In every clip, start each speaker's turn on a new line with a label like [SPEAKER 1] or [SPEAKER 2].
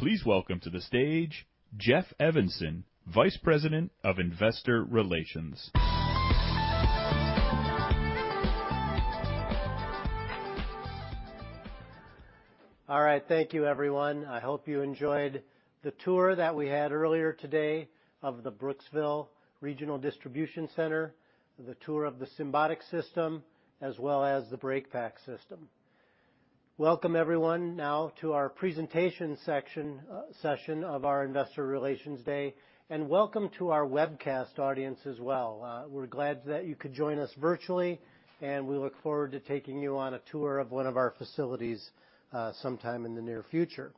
[SPEAKER 1] Please welcome to the stage, Jeff Evanson, Vice President of Investor Relations. All right. Thank you, everyone. I hope you enjoyed the tour that we had earlier today of the Brooksville Regional Distribution Center, the tour of the Symbotic system, as well as the BreakPack system. Welcome, everyone, now to our presentation section, session of our Investor Relations Day, and welcome to our webcast audience as well. We're glad that you could join us virtually, and we look forward to taking you on a tour of one of our facilities sometime in the near future.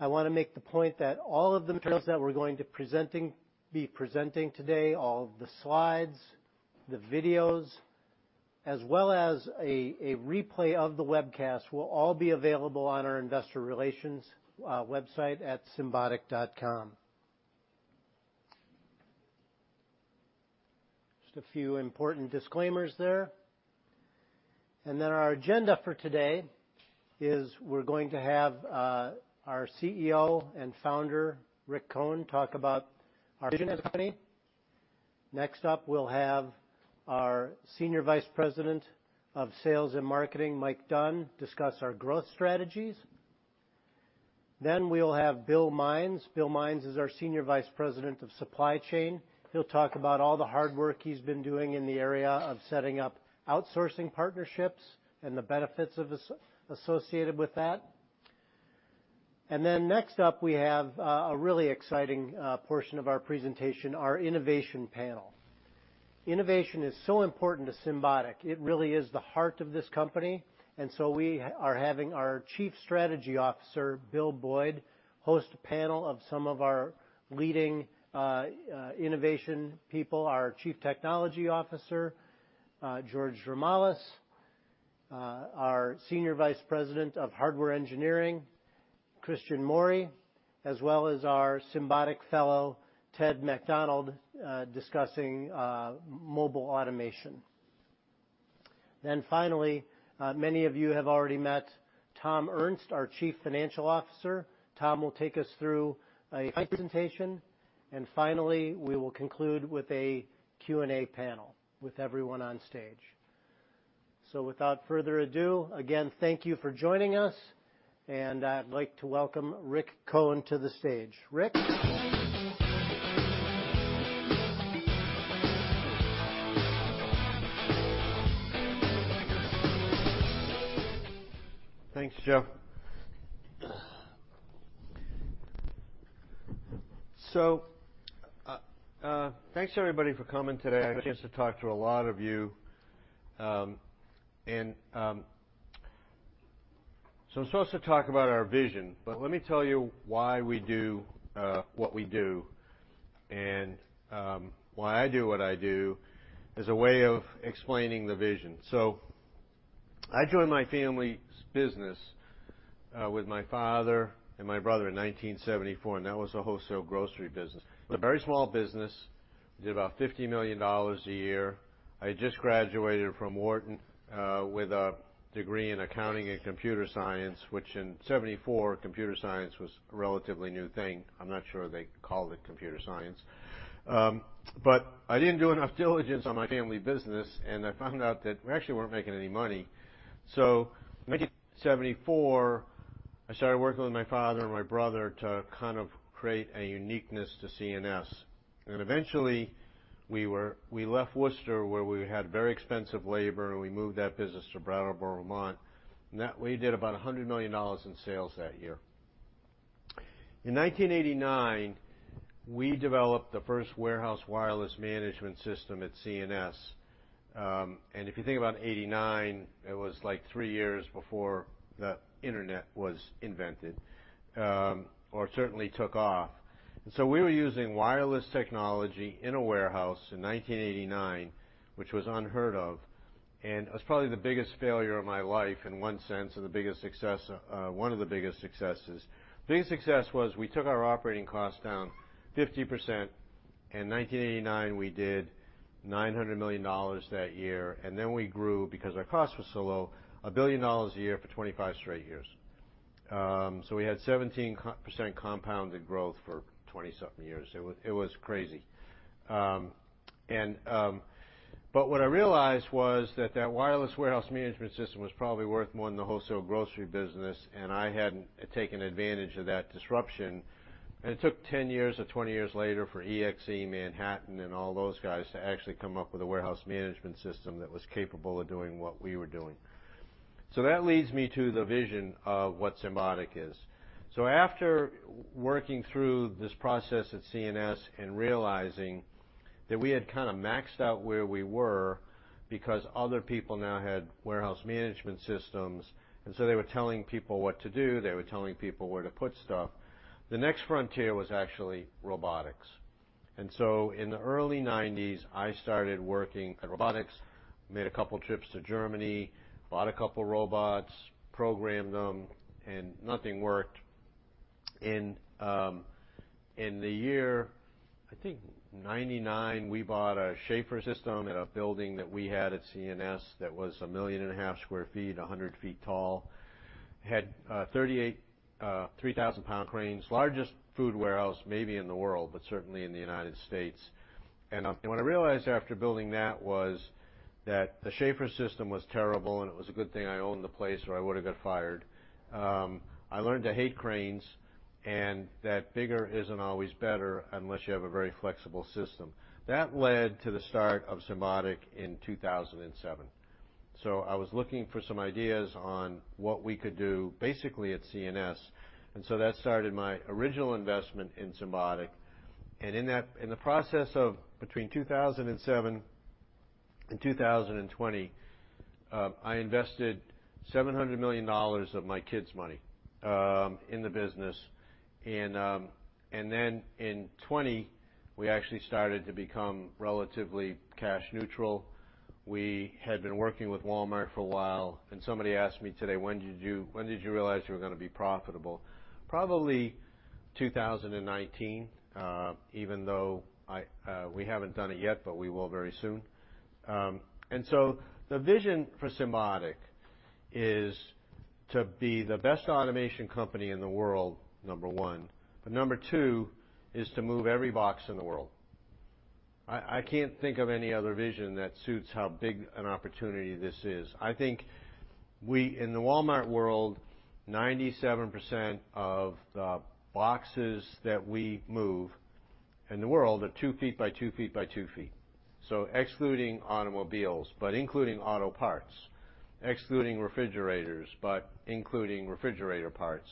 [SPEAKER 1] I want to make the point that all of the materials that we're going to be presenting today, all of the slides, the videos, as well as a replay of the webcast, will all be available on our investor relations website at Symbotic.com. Just a few important disclaimers there. Our agenda for today is we're going to have our CEO and Founder, Rick Cohen, talk about our vision as a company. Next up, we'll have our Senior Vice President of Sales and Marketing, Mike Dunn, discuss our growth strategies. We'll have Bill Mines. Bill Mines is our Senior Vice President of Supply Chain. He'll talk about all the hard work he's been doing in the area of setting up outsourcing partnerships and the benefits associated with that. Next up, we have a really exciting portion of our presentation, our innovation panel. Innovation is so important to Symbotic. It really is the heart of this company, and so we are having our Chief Strategy Officer, Bill Boyd, host a panel of some of our leading innovation people. Our Chief Technology Officer, George Dramalis, our Senior Vice President of Hardware Engineering, Cristian Mori, as well as our Symbotic Fellow, Ted Macdonald, discussing mobile automation. Finally, many of you have already met Tom Ernst, our Chief Financial Officer. Tom will take us through a presentation. Finally, we will conclude with a Q&A panel with everyone on stage. Without further ado, again, thank you for joining us, and I'd like to welcome Rick Cohen to the stage. Rick.
[SPEAKER 2] Thanks, Jeff. Thanks, everybody, for coming today. I get a chance to talk to a lot of you. I'm supposed to talk about our vision, but let me tell you why we do what we do and why I do what I do as a way of explaining the vision. I joined my family's business with my father and my brother in 1974, and that was a wholesale grocery business. A very small business. We did about $50 million a year. I just graduated from Wharton with a degree in accounting and computer science, which in 1974, computer science was a relatively new thing. I'm not sure they called it computer science. But I didn't do enough diligence on my family business, and I found out that we actually weren't making any money. So, 1974, I started working with my father and my brother to kind of create a uniqueness to C&S. Eventually, we left Worcester, where we had very expensive labor, and we moved that business to Brattleboro, Vermont. That, we did about $100 million in sales that year. In 1989, we developed the first warehouse wireless management system at C&S. If you think about 1989, it was, like, three years before the internet was invented, or certainly took off. We were using wireless technology in a warehouse in 1989, which was unheard of. It was probably the biggest failure of my life in one sense and the biggest success, one of the biggest successes. The biggest success was we took our operating costs down 50%. In 1989, we did $900 million that year, then we grew, because our cost was so low, $1 billion a year for 25 straight years. We had 17% compounded growth for 20-something years. It was crazy. What I realized was that that wireless warehouse management system was probably worth more than the wholesale grocery business, and I hadn't taken advantage of that disruption. It took 10 years or 20 years later for EXE, Manhattan, and all those guys to actually come up with a warehouse management system that was capable of doing what we were doing. That leads me to the vision of what Symbotic is. After working through this process at C&S and realizing that we had kinda maxed out where we were because other people now had warehouse management systems, they were telling people what to do, they were telling people where to put stuff, the next frontier was actually robotics. In the early 90s, I started working at robotics. Made a couple trips to Germany, bought a couple robots, programmed them, and nothing worked. In the year, I think 1999, we bought an SSI SCHAEFER system at a building that we had at C&S that was 1.5 million sq ft, 100 ft tall. Had 38, 3,000 lbs cranes, largest food warehouse maybe in the world, but certainly in the United States. What I realized after building that was that the SCHAEFER system was terrible, and it was a good thing I owned the place, or I would've got fired. I learned to hate cranes and that bigger isn't always better unless you have a very flexible system. That led to the start of Symbotic in 2007. I was looking for some ideas on what we could do basically at C&S, that started my original investment in Symbotic. In the process of between 2007 and 2020, I invested $700 million of my kids' money in the business. In 2020, we actually started to become relatively cash neutral. We had been working with Walmart for a while, and somebody asked me today, "When did you, when did you realize you were gonna be profitable?" Probably 2019, even though we haven't done it yet, but we will very soon. The vision for Symbotic is to be the best automation company in the world, number one. Number two is to move every box in the world. I can't think of any other vision that suits how big an opportunity this is. I think in the Walmart world, 97% of the boxes that we move in the world are 2 ft x 2 ft x 2 ft. Excluding automobiles, but including auto parts, excluding refrigerators, but including refrigerator parts,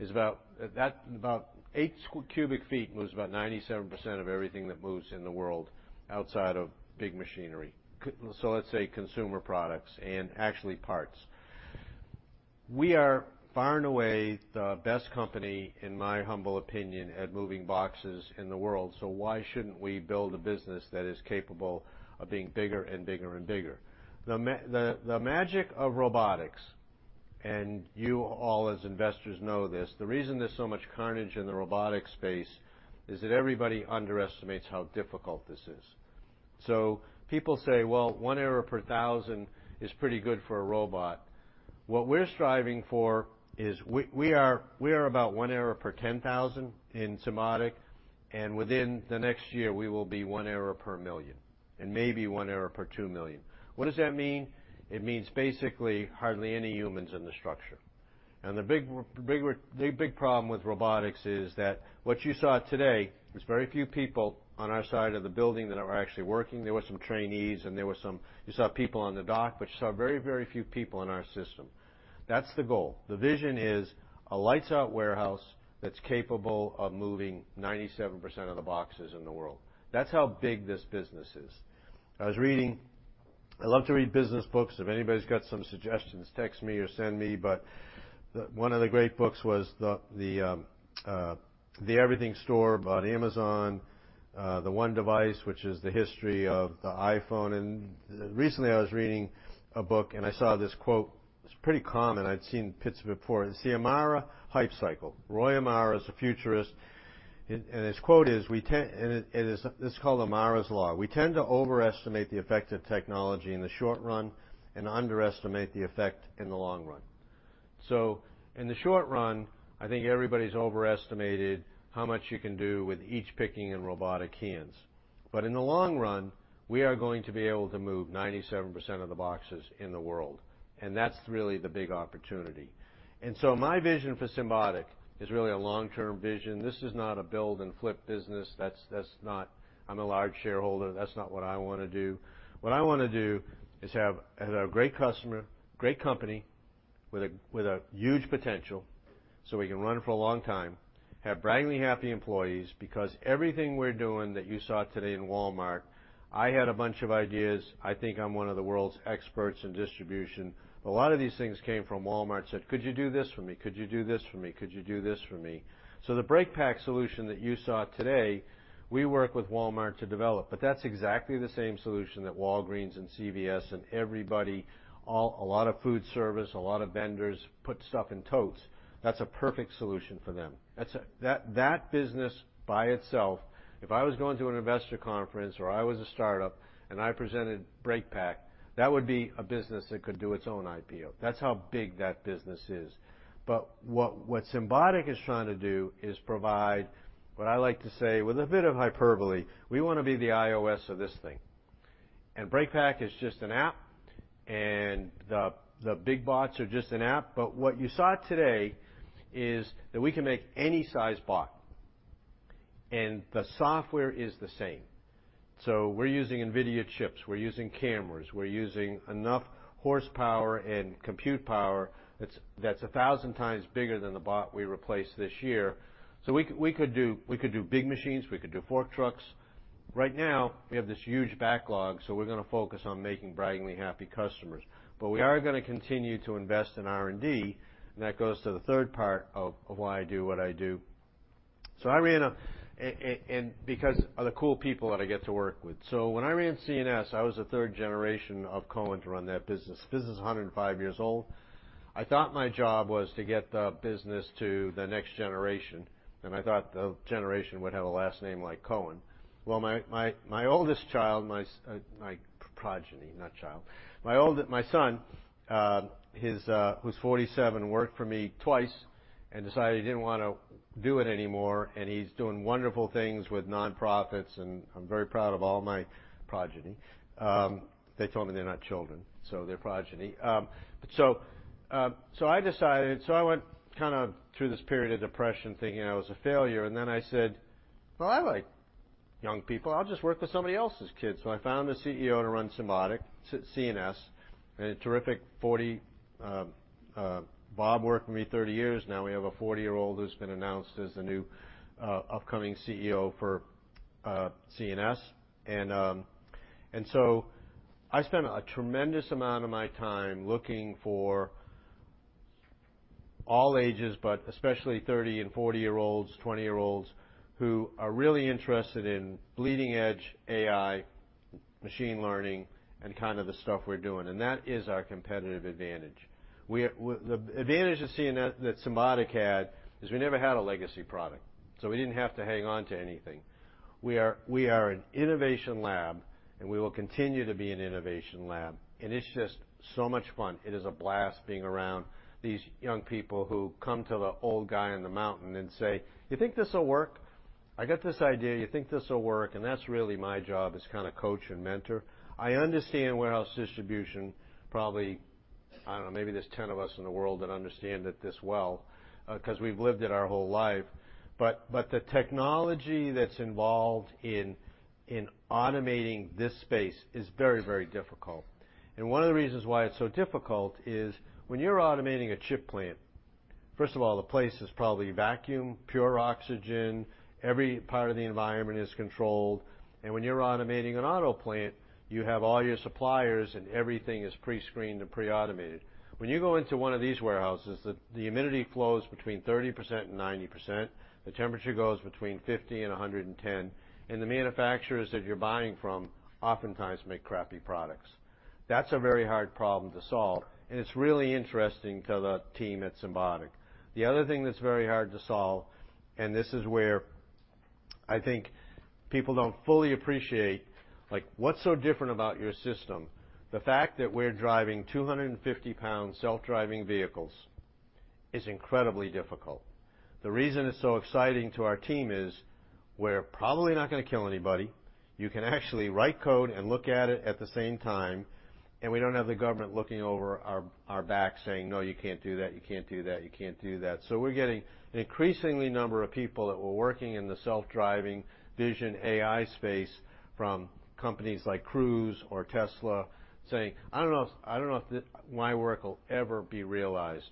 [SPEAKER 2] is about 8 cu ft moves about 97% of everything that moves in the world outside of big machinery. Let's say consumer products and actually parts. We are far and away the best company, in my humble opinion, at moving boxes in the world, so why shouldn't we build a business that is capable of being bigger and bigger and bigger? The magic of robotics, and you all as investors know this, the reason there's so much carnage in the robotics space is that everybody underestimates how difficult this is. People say, "Well, one error per 1,000 is pretty good for a robot." What we're striving for is we are about one error per 10,000 in Symbotic, and within the next year, we will be one error per million, and maybe one error per 2 million. What does that mean? It means basically hardly any humans in the structure. The big problem with robotics is that what you saw today is very few people on our side of the building that are actually working. There were some trainees, and there were some—you saw people on the dock, but you saw very, very few people in our system. That's the goal. The vision is a lights out warehouse that's capable of moving 97% of the boxes in the world. That's how big this business is. I was reading— I love to read business books. If anybody's got some suggestions, text me or send me, but one of the great books was the The Everything Store about Amazon, The One Device, which is the history of the iPhone. Recently, I was reading a book, and I saw this quote. It's pretty common. I've seen bits of it before. It's the Amara hype cycle. Roy Amara is a futurist. His quote is, It is this is called Amara's Law. "We tend to overestimate the effect of technology in the short run and underestimate the effect in the long run." In the short run, I think everybody's overestimated how much you can do with each picking and robotic hands. In the long run, we are going to be able to move 97% of the boxes in the world, that's really the big opportunity. My vision for Symbotic is really a long-term vision. This is not a build and flip business. That's not. I'm a large shareholder. That's not what I want to do. What I want to do is have a great customer, great company with a, with a huge potential, so we can run it for a long time, have braggingly happy employees because everything we're doing that you saw today in Walmart, I had a bunch of ideas. I think I'm one of the world's experts in distribution. A lot of these things came from Walmart, said, "Could you do this for me? Could you do this for me? Could you do this for me?" The BreakPack solution that you saw today, we worked with Walmart to develop, but that's exactly the same solution that Walgreens and CVS and everybody, a lot of food service, a lot of vendors put stuff in totes. That's a perfect solution for them. That business by itself, if I was going to an investor conference, or I was a startup, and I presented BreakPack, that would be a business that could do its own IPO. That's how big that business is. What Symbotic is trying to do is provide what I like to say with a bit of hyperbole, we wanna be the iOS of this thing. BreakPack is just an app, and the big bots are just an app, but what you saw today is that we can make any size bot, and the software is the same. We're using NVIDIA chips. We're using cameras. We're using enough horsepower and compute power that's a 1,000x bigger than the bot we replaced this year. We could do big machines. We could do fork trucks. Right now, we have this huge backlog, so we're gonna focus on making braggingly happy customers. We are gonna continue to invest in R&D, and that goes to the third part of why I do what I do. Because of the cool people that I get to work with. When I ran C&S, I was the third generation of Cohen to run that business. The business is 105 years old. I thought my job was to get the business to the next generation. I thought the generation would have a last name like Cohen. Well, my oldest child, my progeny, not child. My son, his, who's 47, worked for me twice decided he didn't wanna do it anymore. He's doing wonderful things with nonprofits. I'm very proud of all my progeny. They told me they're not children, they're progeny. I went kinda through this period of depression, thinking I was a failure. I said, "Well, I like young people. I'll just work with somebody else's kids." I found a CEO to run Symbotic, C&S, a terrific 40—Bob worked for me 30 years. Now we have a 40-year-old who's been announced as the new upcoming CEO for C&S. I spent a tremendous amount of my time looking for all ages, but especially 30- and 40-year-olds, 20-year-olds, who are really interested in bleeding edge AI, machine learning, and kind of the stuff we're doing. That is our competitive advantage. The advantage of C&S that Symbotic had is we never had a legacy product, so we didn't have to hang on to anything. We are, we are an innovation lab, and we will continue to be an innovation lab, and it's just so much fun. It is a blast being around these young people who come to the old guy on the mountain and say, "You think this'll work? I got this idea. You think this'll work?" That's really my job, is kind of coach and mentor. I understand warehouse distribution probably, I don't know, maybe there's 10 of us in the world that understand it this well, 'cause we've lived it our whole life. The technology that's involved in automating this space is very, very difficult. One of the reasons why it's so difficult is when you're automating a chip plant, first of all, the place is probably vacuum, pure oxygen, every part of the environment is controlled. When you're automating an auto plant, you have all your suppliers and everything is pre-screened and pre-automated. When you go into one of these warehouses, the humidity flows between 30% and 90%. The temperature goes between 50 and 110. The manufacturers that you're buying from oftentimes make crappy products. That's a very hard problem to solve, and it's really interesting to the team at Symbotic. The other thing that's very hard to solve, and this is where I think people don't fully appreciate, like, what's so different about your system? The fact that we're driving 250 lbs self-driving vehicles is incredibly difficult. The reason it's so exciting to our team is we're probably not gonna kill anybody. You can actually write code and look at it at the same time, and we don't have the government looking over our back saying, "No, you can't do that. You can't do that. You can't do that." So we're getting an increasingly number of people that were working in the self-driving vision AI space from companies like Cruise or Tesla saying, "I don't know if my work will ever be realized."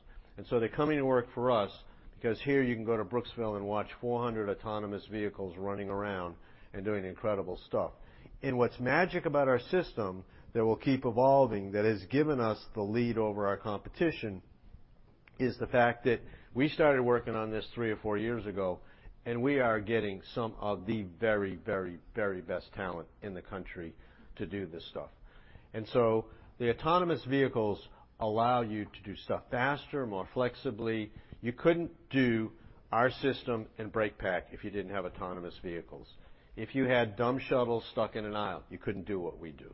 [SPEAKER 2] They're coming to work for us because here you can go to Brooksville and watch 400 autonomous vehicles running around and doing incredible stuff. What's magic about our system that will keep evolving, that has given us the lead over our competition, is the fact that we started working on this three or four years ago, and we are getting some of the very, very, very best talent in the country to do this stuff. The autonomous vehicles allow you to do stuff faster, more flexibly. You couldn't do our system and BreakPack if you didn't have autonomous vehicles. If you had dumb shuttles stuck in an aisle, you couldn't do what we do.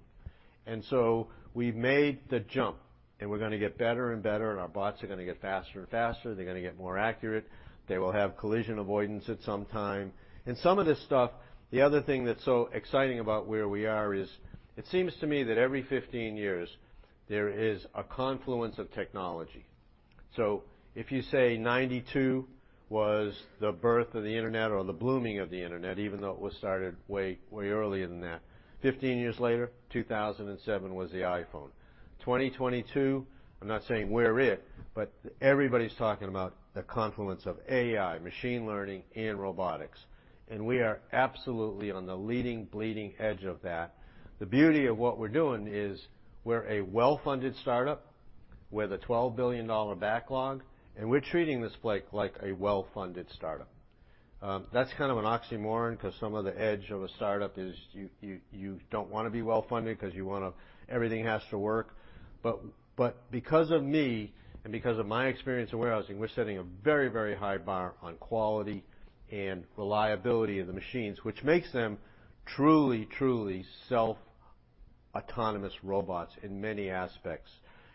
[SPEAKER 2] We've made the jump. We're gonna get better and better. Our bots are gonna get faster and faster. They're gonna get more accurate. They will have collision avoidance at some time. Some of this stuff, the other thing that's so exciting about where we are is it seems to me that every 15 years there is a confluence of technology. If you say 1992 was the birth of the Internet or the blooming of the Internet, even though it was started way earlier than that. 15 years later, 2007 was the iPhone. Twenty twenty-two, I'm not saying we're it. Everybody's talking about the confluence of AI, machine learning, and robotics, and we are absolutely on the leading, bleeding edge of that. The beauty of what we're doing is we're a well-funded startup with a $12 billion backlog. We're treating this like a well-funded startup. That's kind of an oxymoron 'cause some of the edge of a startup is you don't wanna be well-funded 'cause you wanna. Everything has to work. Because of me and because of my experience in warehousing, we're setting a very high bar on quality and reliability of the machines, which makes them truly self-autonomous robots in many aspects,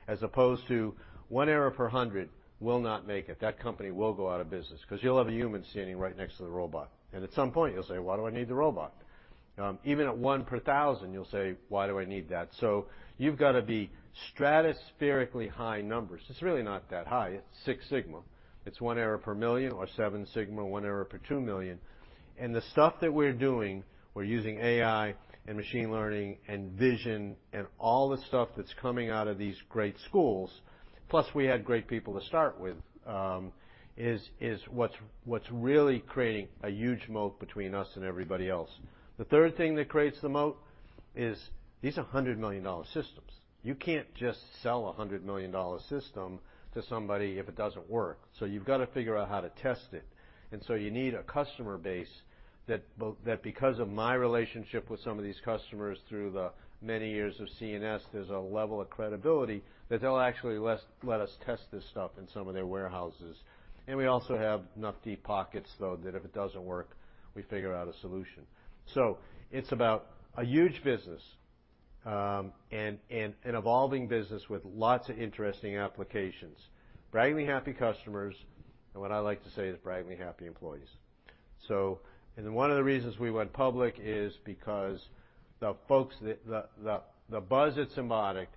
[SPEAKER 2] as opposed to one error per 100 will not make it. That company will go out of business 'cause you'll have a human standing right next to the robot, and at some point you'll say, "Why do I need the robot?" Even at one per thousand, you'll say, "Why do I need that?" You've gotta be stratospherically high numbers. It's really not that high. It's Six Sigma. It's 1 error per million or Seven Sigma, one error per 2 million. And the stuff that we're doing, we're using AI and machine learning and vision and all the stuff that's coming out of these great schools, plus we had great people to start with, is what's really creating a huge moat between us and everybody else. The third thing that creates the moat is these are $100 million systems. You can't just sell a $100 million system to somebody if it doesn't work, so you've gotta figure out how to test it. You need a customer base that because of my relationship with some of these customers through the many years of C&S, there's a level of credibility that they'll actually let us test this stuff in some of their warehouses. We also have enough deep pockets, though, that if it doesn't work, we figure out a solution. It's about a huge business and an evolving business with lots of interesting applications, braggingly happy customers, and what I like to say is braggingly happy employees. One of the reasons we went public is because the folks that the buzz at Symbotic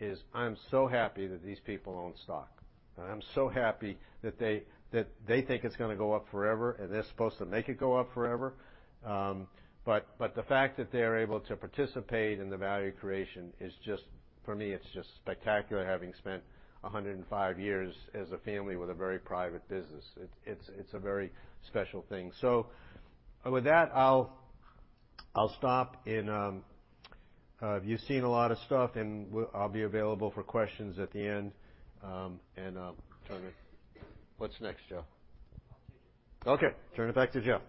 [SPEAKER 2] is I'm so happy that these people own stock, and I'm so happy that they, that they think it's gonna go up forever, and they're supposed to make it go up forever. The fact that they're able to participate in the value creation is just, for me, it's just spectacular having spent 105 years as a family with a very private business. It's a very special thing. With that, I'll stop. You've seen a lot of stuff, and I'll be available for questions at the end, and I'll turn it. What's next, Jeff?
[SPEAKER 1] I'll take it.
[SPEAKER 2] Okay. Turn it back to Jeff.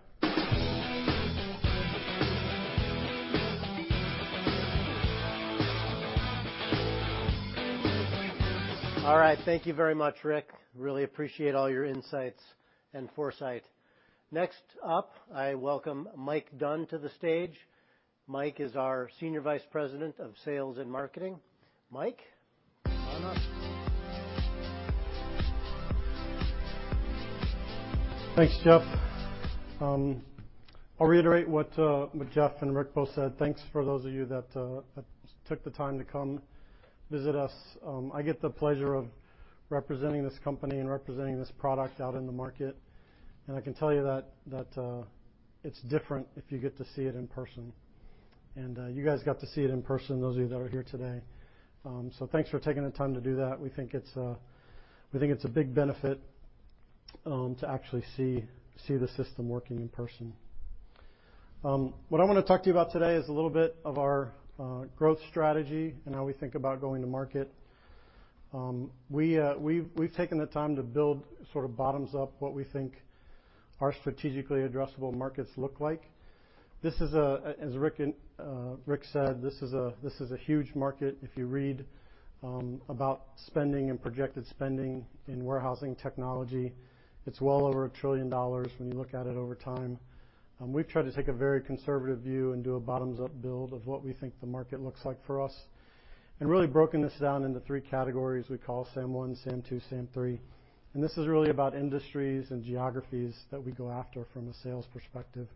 [SPEAKER 1] All right. Thank you very much, Rick. Really appreciate all your insights and foresight. Next up, I welcome Mike Dunn to the stage. Mike is our Senior Vice President of Sales and Marketing. Mike, come on up.
[SPEAKER 3] Thanks, Jeff. I'll reiterate what Jeff and Rick Cohen both said. Thanks for those of you that took the time to come visit us. I get the pleasure of representing this company and representing this product out in the market, and I can tell you that it's different if you get to see it in person. You guys got to see it in person, those of you that are here today. Thanks for taking the time to do that. We think it's, we think it's a big benefit to actually see the system working in person. What I wanna talk to you about today is a little bit of our growth strategy and how we think about going to market. We've taken the time to build sort of bottoms-up what we think our strategically addressable markets look like. As Rick said, this is a huge market. If you read about spending and projected spending in warehousing technology, it's well over $1 trillion when you look at it over time. We've tried to take a very conservative view and do a bottoms-up build of what we think the market looks like for us and really broken this down into three categories we call SAM-1, SAM-2, SAM-3. This is really about industries and geographies that we go after from a sales perspective.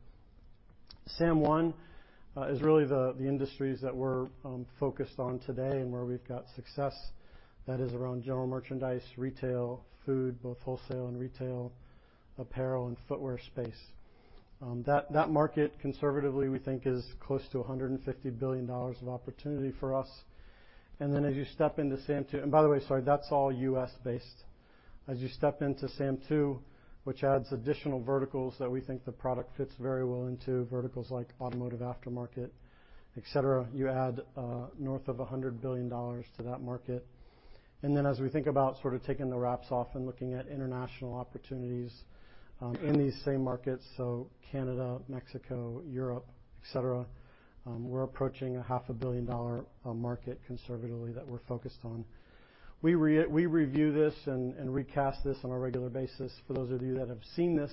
[SPEAKER 3] SAM-1 is really the industries that we're focused on today and where we've got success that is around general merchandise, retail, food, both wholesale and retail, apparel, and footwear space. That market, conservatively, we think is close to $150 billion of opportunity for us. As you step into SAM-2. That's all U.S.-based. As you step into SAM-2, which adds additional verticals that we think the product fits very well into, verticals like automotive aftermarket, et cetera, you add north of $100 billion to that market. As we think about sort of taking the wraps off and looking at international opportunities, in these same markets, so Canada, Mexico, Europe, et cetera, we're approaching a half a billion dollar market conservatively that we're focused on. We review this and recast this on a regular basis. For those of you that have seen this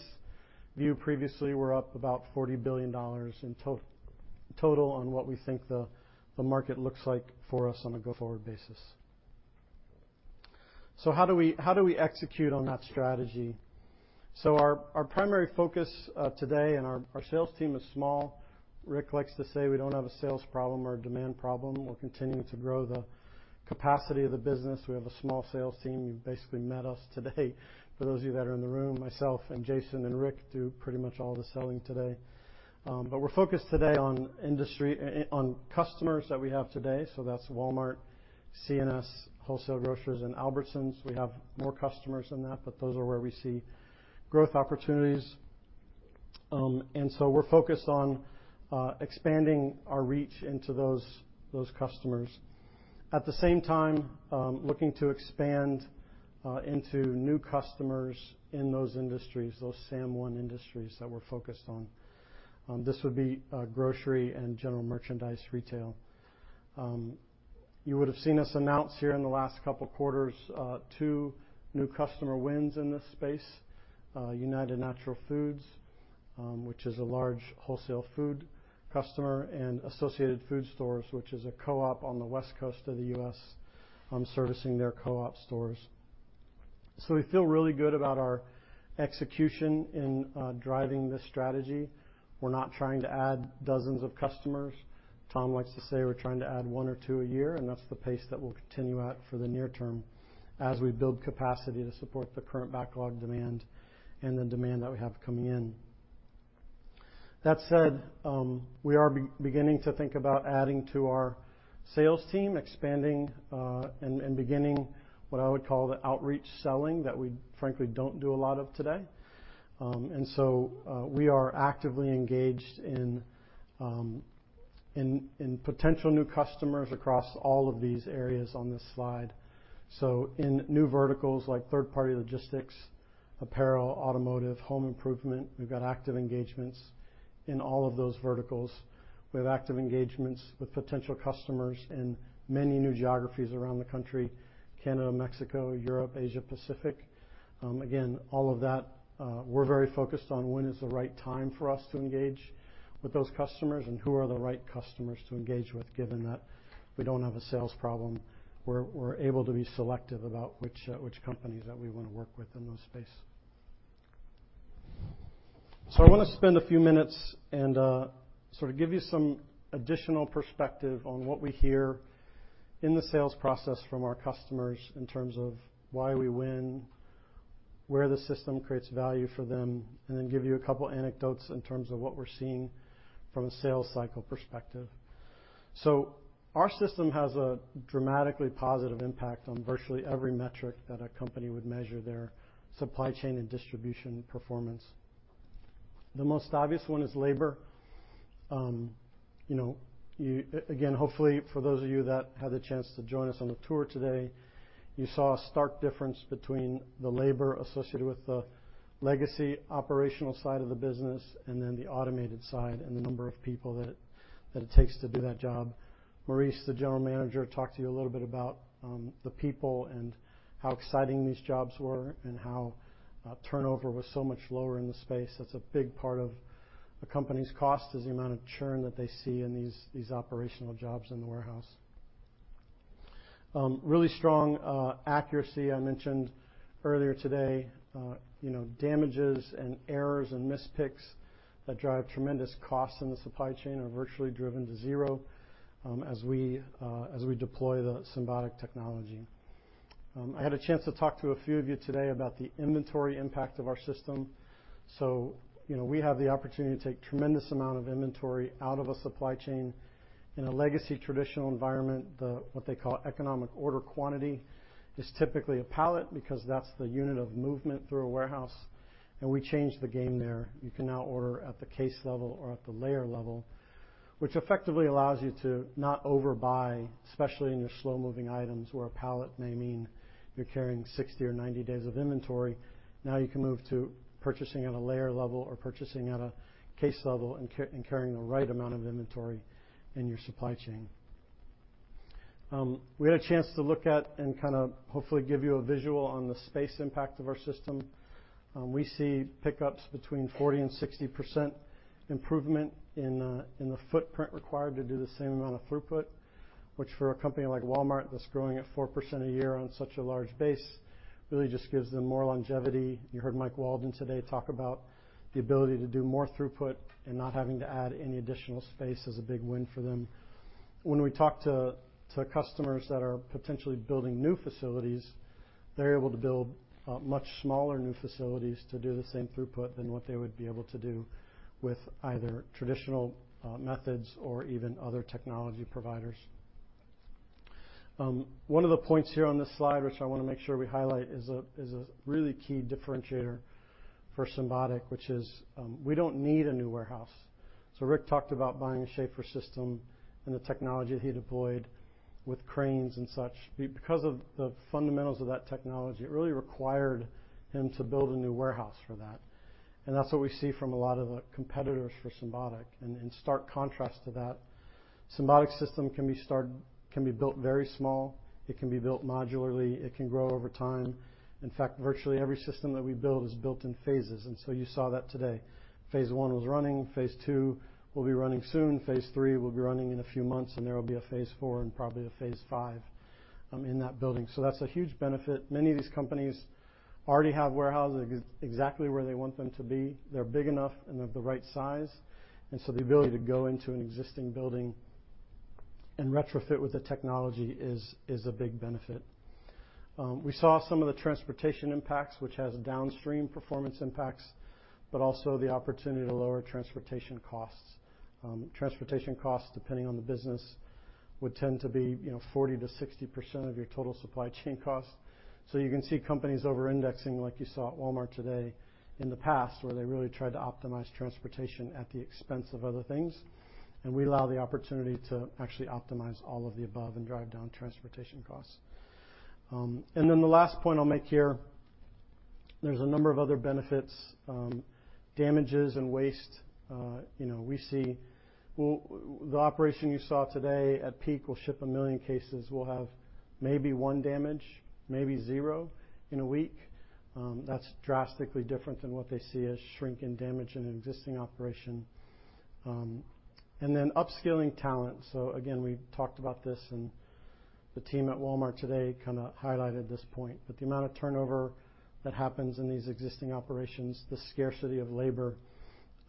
[SPEAKER 3] view previously, we're up about $40 billion in total on what we think the market looks like for us on a go-forward basis. How do we execute on that strategy? Our primary focus today and our sales team is small. Rick likes to say we don't have a sales problem or a demand problem. We're continuing to grow the capacity of the business. We have a small sales team. You've basically met us today. For those of you that are in the room, myself and Jason and Rick do pretty much all the selling today. We're focused today on industry and on customers that we have today, so that's Walmart, C&S Wholesale Grocers, and Albertsons. We have more customers than that, those are where we see growth opportunities. We're focused on expanding our reach into those customers. At the same time, looking to expand into new customers in those industries, those SAM-1 industries that we're focused on. This would be grocery and general merchandise retail. You would have seen us announce here in the last couple quarters, two new customer wins in this space, United Natural Foods, which is a large wholesale food customer, and Associated Food Stores, which is a co-op on the West Coast of the U.S., servicing their co-op stores. We feel really good about our execution in driving this strategy. We're not trying to add dozens of customers. Tom likes to say we're trying to add one or two a year, and that's the pace that we'll continue at for the near term as we build capacity to support the current backlog demand and the demand that we have coming in. That said, we are beginning to think about adding to our sales team, expanding, and beginning what I would call the outreach selling that we frankly don't do a lot of today. We are actively engaged in potential new customers across all of these areas on this slide. In new verticals like third-party logistics, apparel, automotive, home improvement, we've got active engagements in all of those verticals. We have active engagements with potential customers in many new geographies around the country, Canada, Mexico, Europe, Asia Pacific. Again, all of that, we're very focused on when is the right time for us to engage. With those customers and who are the right customers to engage with, given that we don't have a sales problem, we're able to be selective about which companies that we wanna work with in those space. I wanna spend a few minutes and sort of give you some additional perspective on what we hear in the sales process from our customers in terms of why we win, where the system creates value for them, and then give you a couple anecdotes in terms of what we're seeing from a sales cycle perspective. Our system has a dramatically positive impact on virtually every metric that a company would measure their supply chain and distribution performance. The most obvious one is labor. You know, again, hopefully for those of you that had the chance to join us on the tour today, you saw a stark difference between the labor associated with the legacy operational side of the business and then the automated side, and the number of people that it takes to do that job. Maurice, the general manager, talked to you a little bit about the people and how exciting these jobs were and how turnover was so much lower in the space. That's a big part of a company's cost is the amount of churn that they see in these operational jobs in the warehouse. really strong, accuracy I mentioned earlier today. You know, damages and errors and mispicks that drive tremendous costs in the supply chain are virtually driven to zero as we deploy the Symbotic technology. I had a chance to talk to a few of you today about the inventory impact of our system. You know, we have the opportunity to take tremendous amount of inventory out of a supply chain. In a legacy traditional environment, what they call economic order quantity is typically a pallet because that's the unit of movement through a warehouse, and we change the game there. You can now order at the case level or at the layer level, which effectively allows you to not overbuy, especially in your slow-moving items, where a pallet may mean you're carrying 60 or 90 days of inventory. Now you can move to purchasing at a layer level or purchasing at a case level and carrying the right amount of inventory in your supply chain. We had a chance to look at and kinda hopefully give you a visual on the space impact of our system. We see pickups between 40% and 60% improvement in the footprint required to do the same amount of throughput, which for a company like Walmart that's growing at 4% a year on such a large base, really just gives them more longevity. You heard Mike Walden today talk about the ability to do more throughput and not having to add any additional space is a big win for them. When we talk to customers that are potentially building new facilities, they're able to build much smaller new facilities to do the same throughput than what they would be able to do with either traditional methods or even other technology providers. One of the points here on this slide, which I wanna make sure we highlight, is a really key differentiator for Symbotic, which is, we don't need a new warehouse. Rick talked about buying a SCHAEFER system and the technology he deployed with cranes and such. Because of the fundamentals of that technology, it really required him to build a new warehouse for that, and that's what we see from a lot of the competitors for Symbotic. In stark contrast to that, Symbotic system can be—it can be built very small, it can be built modularly, it can grow over time. In fact, virtually every system that we build is built in phases, you saw that today. Phase 1 was running. Phase 2 will be running soon. Phase 3 will be running in a few months, and there will be a Phase 4 and probably a Phase 5 in that building. That's a huge benefit. Many of these companies already have warehouses exactly where they want them to be. They're big enough, and they're the right size. The ability to go into an existing building and retrofit with the technology is a big benefit. We saw some of the transportation impacts, which has downstream performance impacts, but also the opportunity to lower transportation costs. Transportation costs, depending on the business, would tend to be, you know, 40%-60% of your total supply chain costs. You can see companies over-indexing, like you saw at Walmart today, in the past, where they really tried to optimize transportation at the expense of other things, and we allow the opportunity to actually optimize all of the above and drive down transportation costs. And then the last point I'll make here, there's a number of other benefits, damages and waste, you know, we see. The operation you saw today at peak will ship 1 million cases. We'll have maybe one damage, maybe zero in a week. That's drastically different than what they see as shrink and damage in an existing operation. And then upskilling talent. Again, we talked about this, and the team at Walmart today kind of highlighted this point, but the amount of turnover that happens in these existing operations, the scarcity of labor,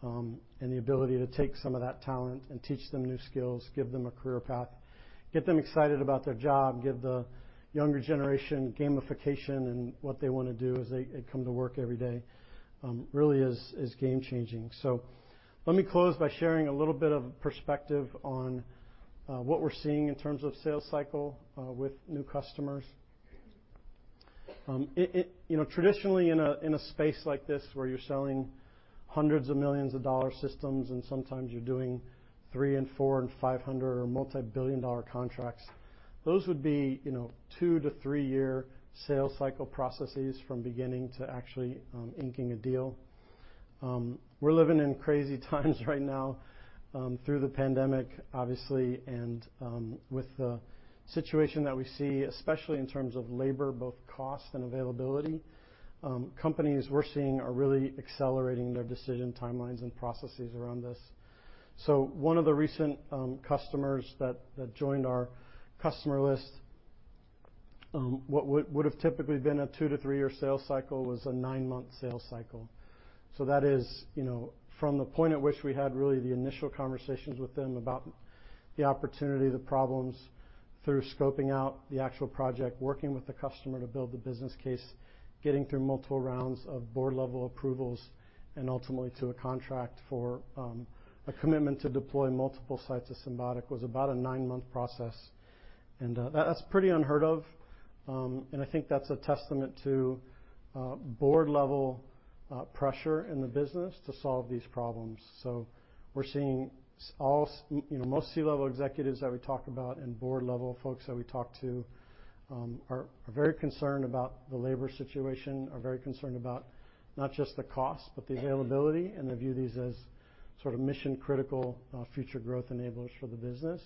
[SPEAKER 3] and the ability to take some of that talent and teach them new skills, give them a career path, get them excited about their job, give the younger generation gamification and what they want to do as they come to work every day, really is game-changing. Let me close by sharing a little bit of perspective on what we're seeing in terms of sales cycle with new customers. You know, traditionally in a space like this where you're selling hundreds of millions of dollar systems and sometimes you're doing 300 million and 400 million and 500 million or multi-billion dollar contracts, those would be, you know, two- to three-year sales cycle processes from beginning to actually inking a deal. We're living in crazy times right now, through the pandemic, obviously, and with the situation that we see, especially in terms of labor, both cost and availability, companies we're seeing are really accelerating their decision timelines and processes around this. One of the recent customers that joined our customer list, what would have typically been a two- to three-year sales cycle was a nine-month sales cycle. That is, you know, from the point at which we had really the initial conversations with them about the opportunity, the problems through scoping out the actual project, working with the customer to build the business case, getting through multiple rounds of board level approvals, and ultimately to a contract for a commitment to deploy multiple sites to Symbotic was about a nine-month process. That's pretty unheard of, and I think that's a testament to board level pressure in the business to solve these problems. We're seeing you know, most C-level executives that we talk about and board level folks that we talk to, are very concerned about the labor situation, are very concerned about not just the cost, but the availability, and they view these as sort of mission-critical future growth enablers for the business.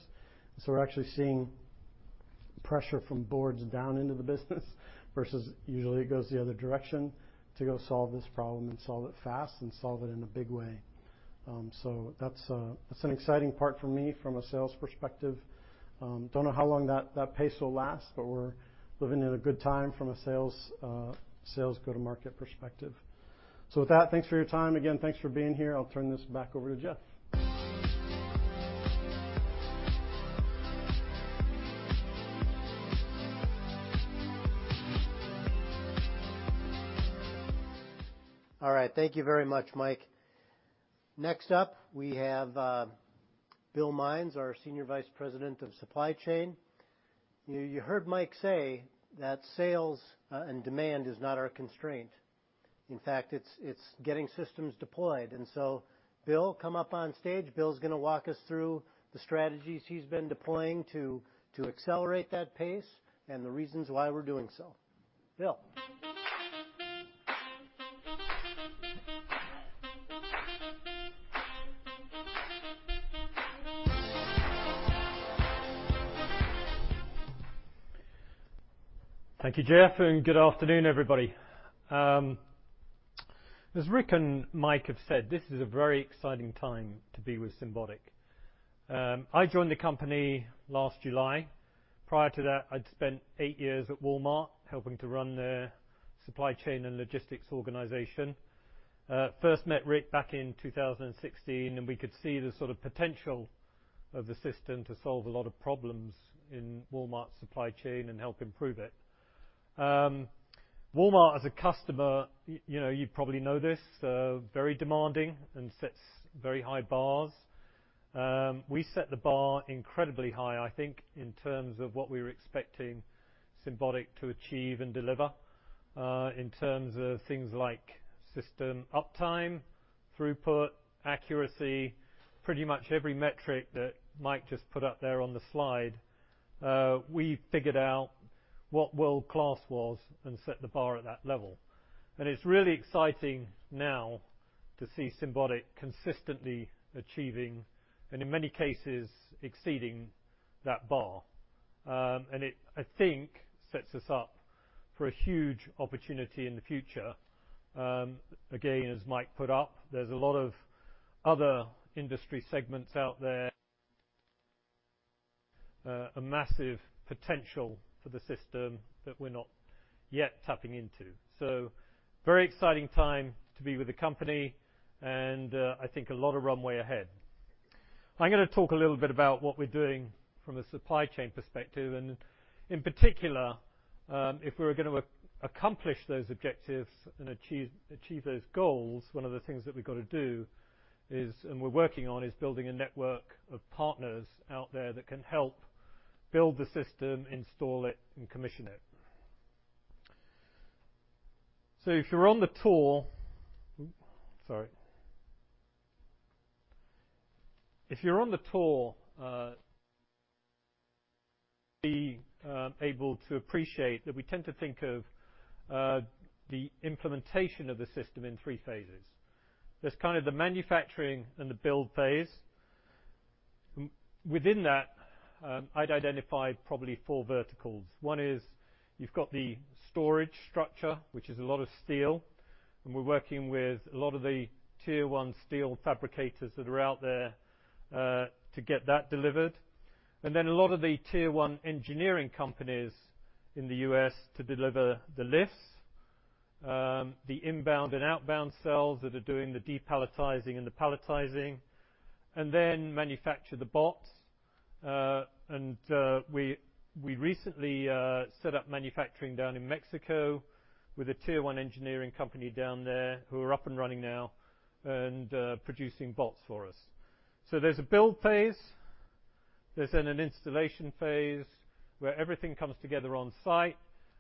[SPEAKER 3] We're actually seeing pressure from boards down into the business versus usually it goes the other direction to go solve this problem and solve it fast and solve it in a big way. That's an exciting part for me from a sales perspective. Don't know how long that pace will last, but we're living in a good time from a sales sales go-to-market perspective. With that, thanks for your time. Again, thanks for being here. I'll turn this back over to Jeff.
[SPEAKER 1] All right. Thank you very much, Mike. Next up, we have Bill Mines, our Senior Vice President of Supply Chain. You heard Mike say that sales, and demand is not our constraint. In fact, it's getting systems deployed. Bill, come up on stage. Bill's gonna walk us through the strategies he's been deploying to accelerate that pace and the reasons why we're doing so. Bill.
[SPEAKER 4] Thank you, Jeff. Good afternoon, everybody. As Rick and Mike have said, this is a very exciting time to be with Symbotic. I joined the company last July. Prior to that, I'd spent eight years at Walmart helping to run their supply chain and logistics organization. First met Rick back in 2016, and we could see the sort of potential of the system to solve a lot of problems in Walmart's supply chain and help improve it. Walmart as a customer, you know, you probably know this, very demanding and sets very high bars. We set the bar incredibly high, I think, in terms of what we were expecting Symbotic to achieve and deliver, in terms of things like system uptime, throughput, accuracy, pretty much every metric that Mike just put up there on the slide. We figured out what world-class was and set the bar at that level. It's really exciting now to see Symbotic consistently achieving, and in many cases, exceeding that bar. It, I think, sets us up for a huge opportunity in the future. Again, as Mike put up, there's a lot of other industry segments out there, a massive potential for the system that we're not yet tapping into. Very exciting time to be with the company, and I think a lot of runway ahead. I'm gonna talk a little bit about what we're doing from a supply chain perspective. In particular, if we're gonna accomplish those objectives and achieve those goals, one of the things that we've got to do is, and we're working on, is building a network of partners out there that can help build the system, install it, and commission it. If you're on the tour. Sorry. If you're on the tour, able to appreciate that we tend to think of the implementation of the system in three phases. There's kind of the manufacturing and the build phase. Within that, I'd identify probably four verticals. One is you've got the storage structure, which is a lot of steel, and we're working with a lot of the Tier 1 steel fabricators that are out there to get that delivered. Then a lot of the Tier 1 engineering companies in the U.S. to deliver the lifts, the inbound and outbound cells that are doing the depalletizing and the palletizing, and then manufacture the bots. We recently set up manufacturing down in Mexico with a Tier 1 engineering company down there who are up and running now and producing bots for us. There's a build phase. There's then an installation phase where everything comes together on-site,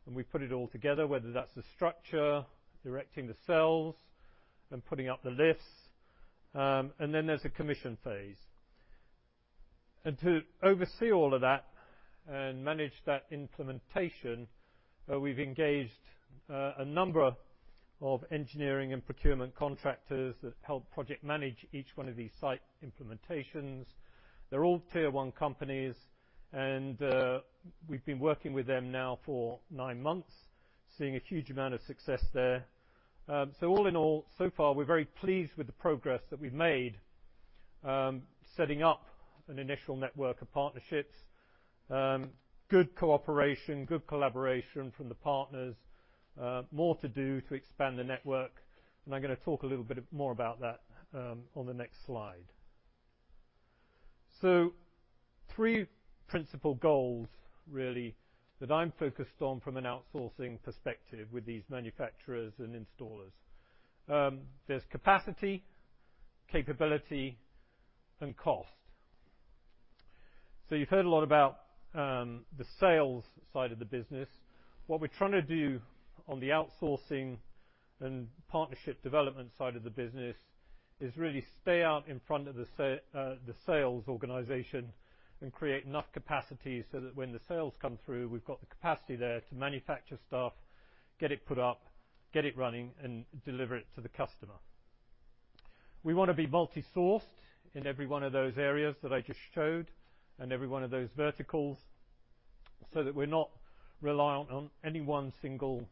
[SPEAKER 4] and we put it all together, whether that's the structure, erecting the cells, and putting up the lifts. Then there's a commission phase. To oversee all of that and manage that implementation, we've engaged a number of engineering and procurement contractors that help project manage each one of these site implementations. They're all Tier 1 companies, and we've been working with them now for nine months. Seeing a huge amount of success there. All in all, so far, we're very pleased with the progress that we've made, setting up an initial network of partnerships. Good cooperation, good collaboration from the partners. More to do to expand the network, and I'm gonna talk a little bit more about that, on the next slide. Three principal goals really that I'm focused on from an outsourcing perspective with these manufacturers and installers. There's capacity, capability, and cost. You've heard a lot about, the sales side of the business. What we're trying to do on the outsourcing and partnership development side of the business is really stay out in front of the sales organization and create enough capacity so that when the sales come through, we've got the capacity there to manufacture stuff, get it put up, get it running, and deliver it to the customer. We wanna be multi-sourced in every one of those areas that I just showed and every one of those verticals so that we're not reliant on any one single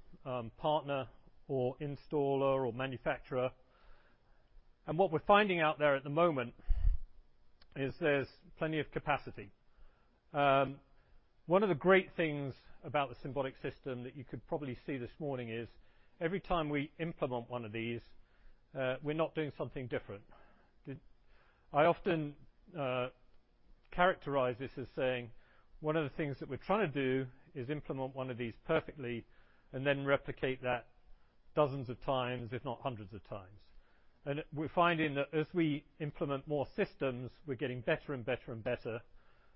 [SPEAKER 4] partner or installer or manufacturer. What we're finding out there at the moment is there's plenty of capacity. One of the great things about the Symbotic system that you could probably see this morning is every time we implement one of these, we're not doing something different. I often characterize this as saying one of the things that we're trying to do is implement one of these perfectly and then replicate that dozens of times, if not hundreds of times. We're finding that as we implement more systems, we're getting better and better and better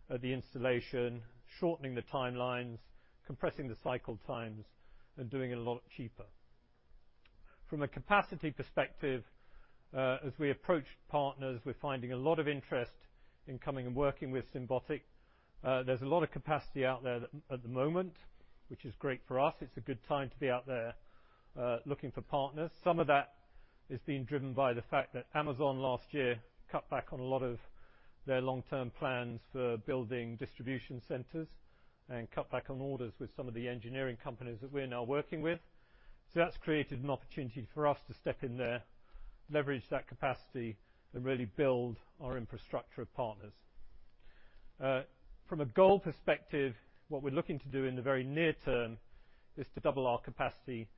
[SPEAKER 4] at the installation, shortening the timelines, compressing the cycle times, and doing it a lot cheaper. From a capacity perspective, as we approach partners, we're finding a lot of interest in coming and working with Symbotic. There's a lot of capacity out there at the moment, which is great for us. It's a good time to be out there, looking for partners. Some of that is being driven by the fact that Amazon last year cut back on a lot of their long-term plans for building distribution centers and cut back on orders with some of the engineering companies that we're now working with. That's created an opportunity for us to step in there, leverage that capacity, and really build our infrastructure of partners. From a goal perspective, what we're looking to do in the very near term is to double our capacity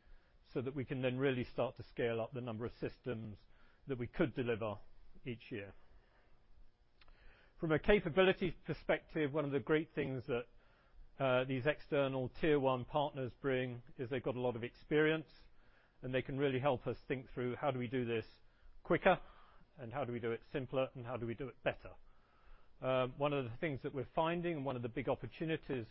[SPEAKER 4] so that we can then really start to scale up the number of systems that we could deliver each year. From a capability perspective, one of the great things that these external Tier 1 partners bring is they've got a lot of experience, and they can really help us think through how do we do this quicker and how do we do it simpler and how do we do it better. One of the things that we're finding, one of the big opportunities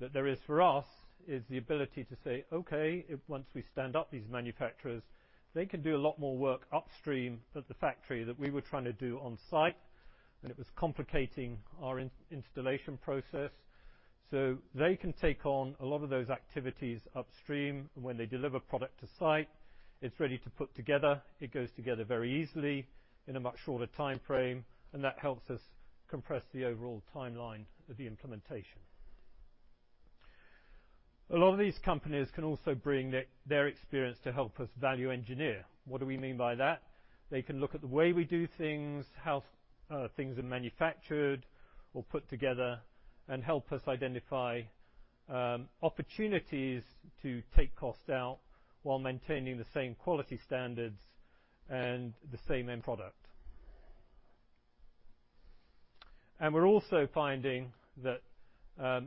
[SPEAKER 4] that there is for us is the ability to say, "Okay, once we stand up these manufacturers, they can do a lot more work upstream at the factory that we were trying to do on site, and it was complicating our in-installation process." They can take on a lot of those activities upstream, and when they deliver product to site, it's ready to put together. It goes together very easily in a much shorter timeframe. That helps us compress the overall timeline of the implementation. A lot of these companies can also bring their experience to help us value engineer. What do we mean by that? They can look at the way we do things, how things are manufactured or put together, and help us identify opportunities to take costs out while maintaining the same quality standards and the same end product. We're also finding that,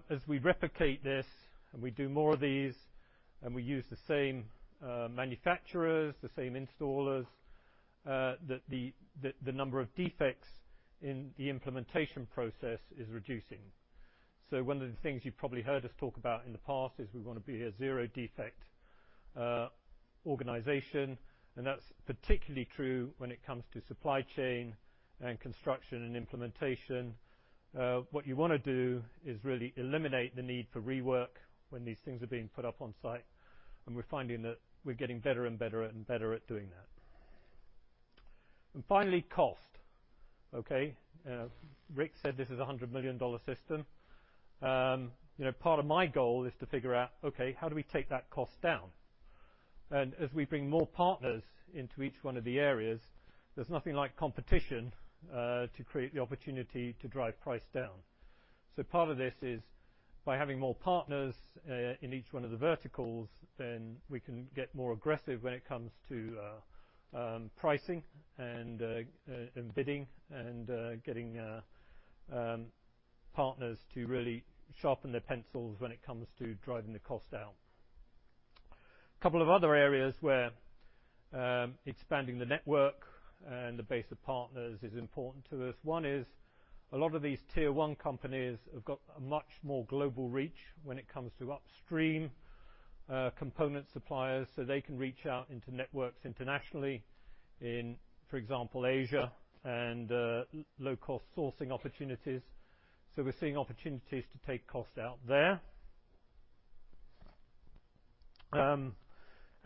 [SPEAKER 4] as we replicate this and we do more of these and we use the same manufacturers, the same installers, that the number of defects in the implementation process is reducing. One of the things you've probably heard us talk about in the past is we want to be a zero-defect organization, and that's particularly true when it comes to supply chain and construction and implementation. What you wanna do is really eliminate the need for rework when these things are being put up on site, and we're finding that we're getting better and better and better at doing that. Finally, cost. Okay? Rick said this is a $100 million system. You know, part of my goal is to figure out, okay, how do we take that cost down? As we bring more partners into each one of the areas, there's nothing like competition to create the opportunity to drive price down. Part of this is by having more partners in each one of the verticals, then we can get more aggressive when it comes to pricing and bidding and getting partners to really sharpen their pencils when it comes to driving the cost down. Couple of other areas where expanding the network and the base of partners is important to us. One is a lot of these Tier 1 companies have got a much more global reach when it comes to upstream component suppliers, so they can reach out into networks internationally in, for example, Asia and low-cost sourcing opportunities. We're seeing opportunities to take costs out there.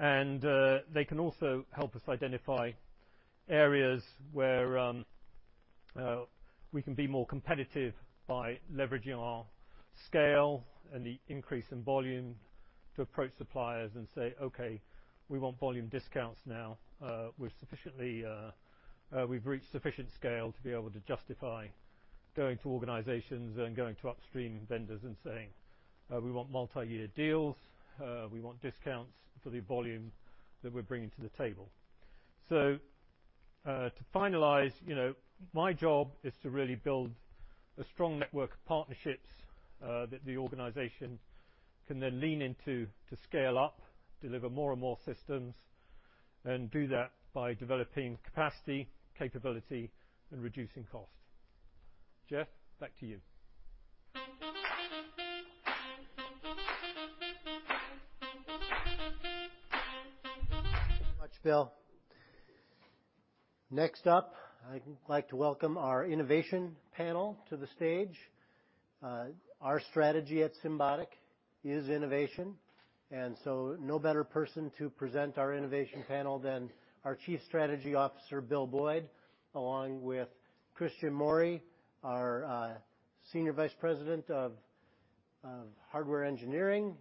[SPEAKER 4] They can also help us identify areas where we can be more competitive by leveraging our scale and the increase in volume to approach suppliers and say, "Okay, we want volume discounts now." We've reached sufficient scale to be able to justify going to organizations and going to upstream vendors and saying, we want multi-year deals, we want discounts for the volume that we're bringing to the table. To finalize, you know, my job is to really build a strong network of partnerships that the organization can then lean into to scale up, deliver more and more systems, and do that by developing capacity, capability, and reducing costs. Jeff, back to you.
[SPEAKER 1] Thanks so much, Bill. Next up, I'd like to welcome our innovation panel to the stage. Our strategy at Symbotic is innovation. No better person to present our innovation panel than our Chief Strategy Officer, Bill Boyd, along with Cristian Mori, our Senior Vice President of Hardware Engineering,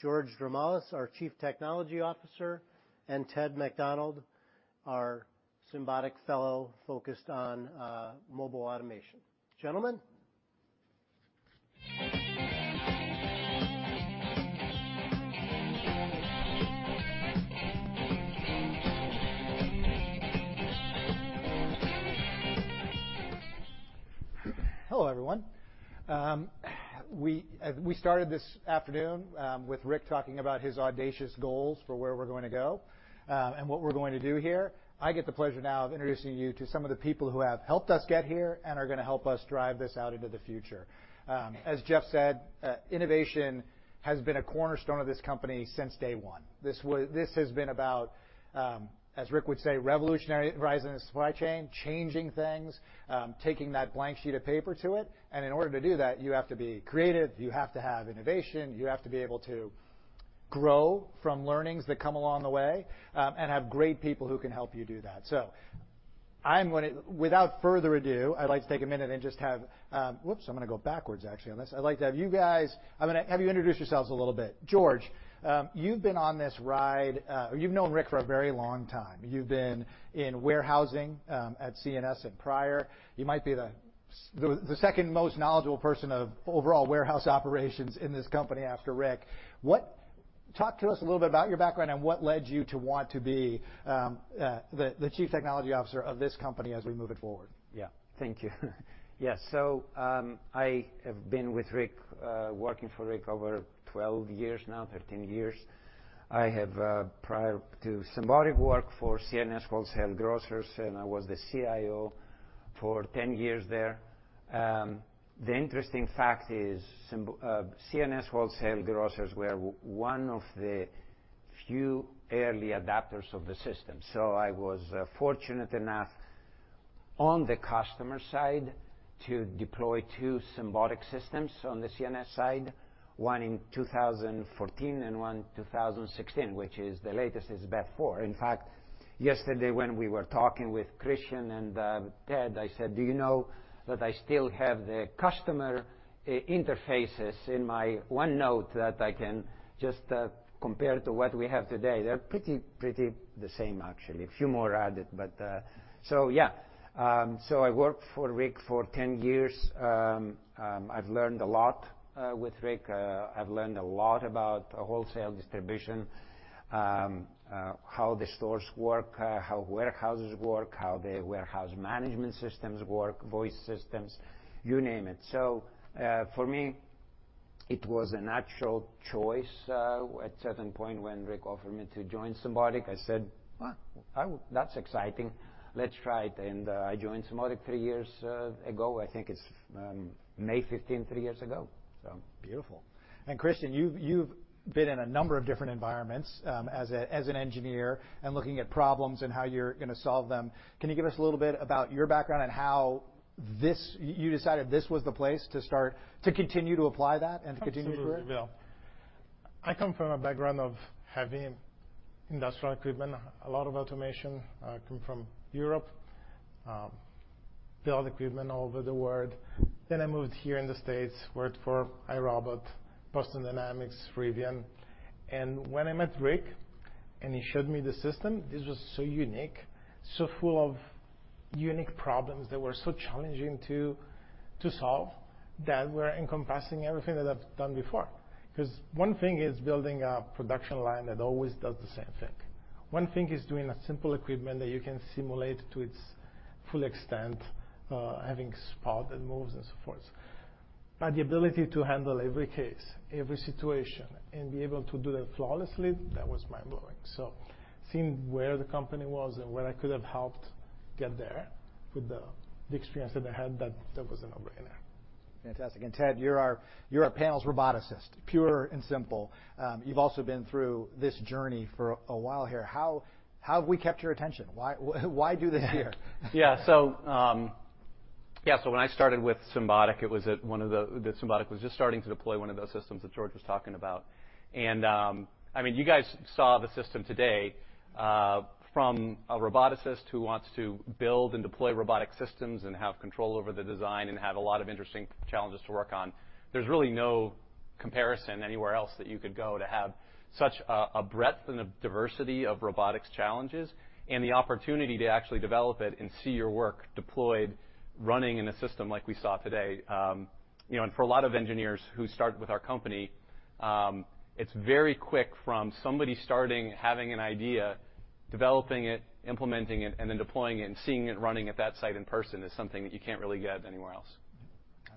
[SPEAKER 1] George Dramalis, our Chief Technology Officer, and Ted Macdonald, our Symbotic Fellow focused on mobile automation. Gentlemen.
[SPEAKER 5] Hello, everyone. We started this afternoon with Rick talking about his audacious goals for where we're going to go and what we're going to do here. I get the pleasure now of introducing you to some of the people who have helped us get here and are gonna help us drive this out into the future. As Jeff said, innovation has been a cornerstone of this company since day one. This has been about, as Rick would say, revolutionary rise in the supply chain, changing things, taking that blank sheet of paper to it. In order to do that, you have to be creative, you have to have innovation, you have to be able to grow from learnings that come along the way, and have great people who can help you do that. I'm gonna without further ado, I'd like to take a minute and just have. Whoops, I'm gonna go backwards actually on this. I'd like to have you guys. I'm gonna have you introduce yourselves a little bit. George, you've been on this ride, you've known Rick for a very long time. You've been in warehousing, at C&S and prior. You might be the second most knowledgeable person of overall warehouse operations in this company after Rick. Talk to us a little bit about your background and what led you to want to be the chief technology officer of this company as we move it forward.
[SPEAKER 6] Thank you. Yes. I have been with Rick, working for Rick over 12 years now, 13 years. I have, prior to Symbotic, worked for C&S Wholesale Grocers, and I was the CIO for 10 years there. The interesting fact is C&S Wholesale Grocers were one of the few early adapters of the system. I was fortunate enough on the customer side to deploy two Symbotic systems on the C&S side, one in 2014 and one in 2016, which is the latest is Bot4. In fact, yesterday, when we were talking with Cristian and Ted, I said, "Do you know that I still have the customer interfaces in my OneNote that I can just compare to what we have today?" They're pretty the same actually. A few more added, but. Yeah. I worked for Rick for 10 years. I've learned a lot with Rick. I've learned a lot about wholesale distribution, how the stores work, how warehouses work, how the warehouse management systems work, voice systems, you name it. For me, it was a natural choice at certain point when Rick offered me to join Symbotic, I said, "Well, That's exciting. Let's try it." I joined Symbotic three years ago. I think it's May 15, three years ago.
[SPEAKER 5] Beautiful. Cristian, you've been in a number of different environments, as an engineer and looking at problems and how you're gonna solve them. Can you give us a little bit about your background and how you decided this was the place to start to continue to apply that and to continue to grow?
[SPEAKER 7] Absolutely, Bill. I come from a background of heavy industrial equipment, a lot of automation. I come from Europe, build equipment all over the world. I moved here in the States, worked for iRobot, Boston Dynamics, Rivian. When I met Rick, and he showed me the system, this was so unique, so full of unique problems that were so challenging to solve that were encompassing everything that I've done before. Cause one thing is building a production line that always does the same thing. One thing is doing a simple equipment that you can simulate to its full extent, having a spot that moves and so forth. The ability to handle every case, every situation, and be able to do that flawlessly, that was mind-blowing. Seeing where the company was and where I could have helped get there with the experience that I had, that was a no-brainer.
[SPEAKER 5] Fantastic. Ted, you're our panel's roboticist, pure and simple. You've also been through this journey for a while here. How have we kept your attention? Why do this here?
[SPEAKER 8] When I started with Symbotic, it was at one of the—that Symbotic was just starting to deploy one of those systems that George was talking about. I mean, you guys saw the system today, from a roboticist who wants to build and deploy robotic systems and have control over the design and have a lot of interesting challenges to work on. There's really no comparison anywhere else that you could go to have such a breadth and a diversity of robotics challenges and the opportunity to actually develop it and see your work deployed, running in a system like we saw today. You know, for a lot of engineers who start with our company, it's very quick from somebody starting having an idea, developing it, implementing it, and then deploying it and seeing it running at that site in person is something that you can't really get anywhere else.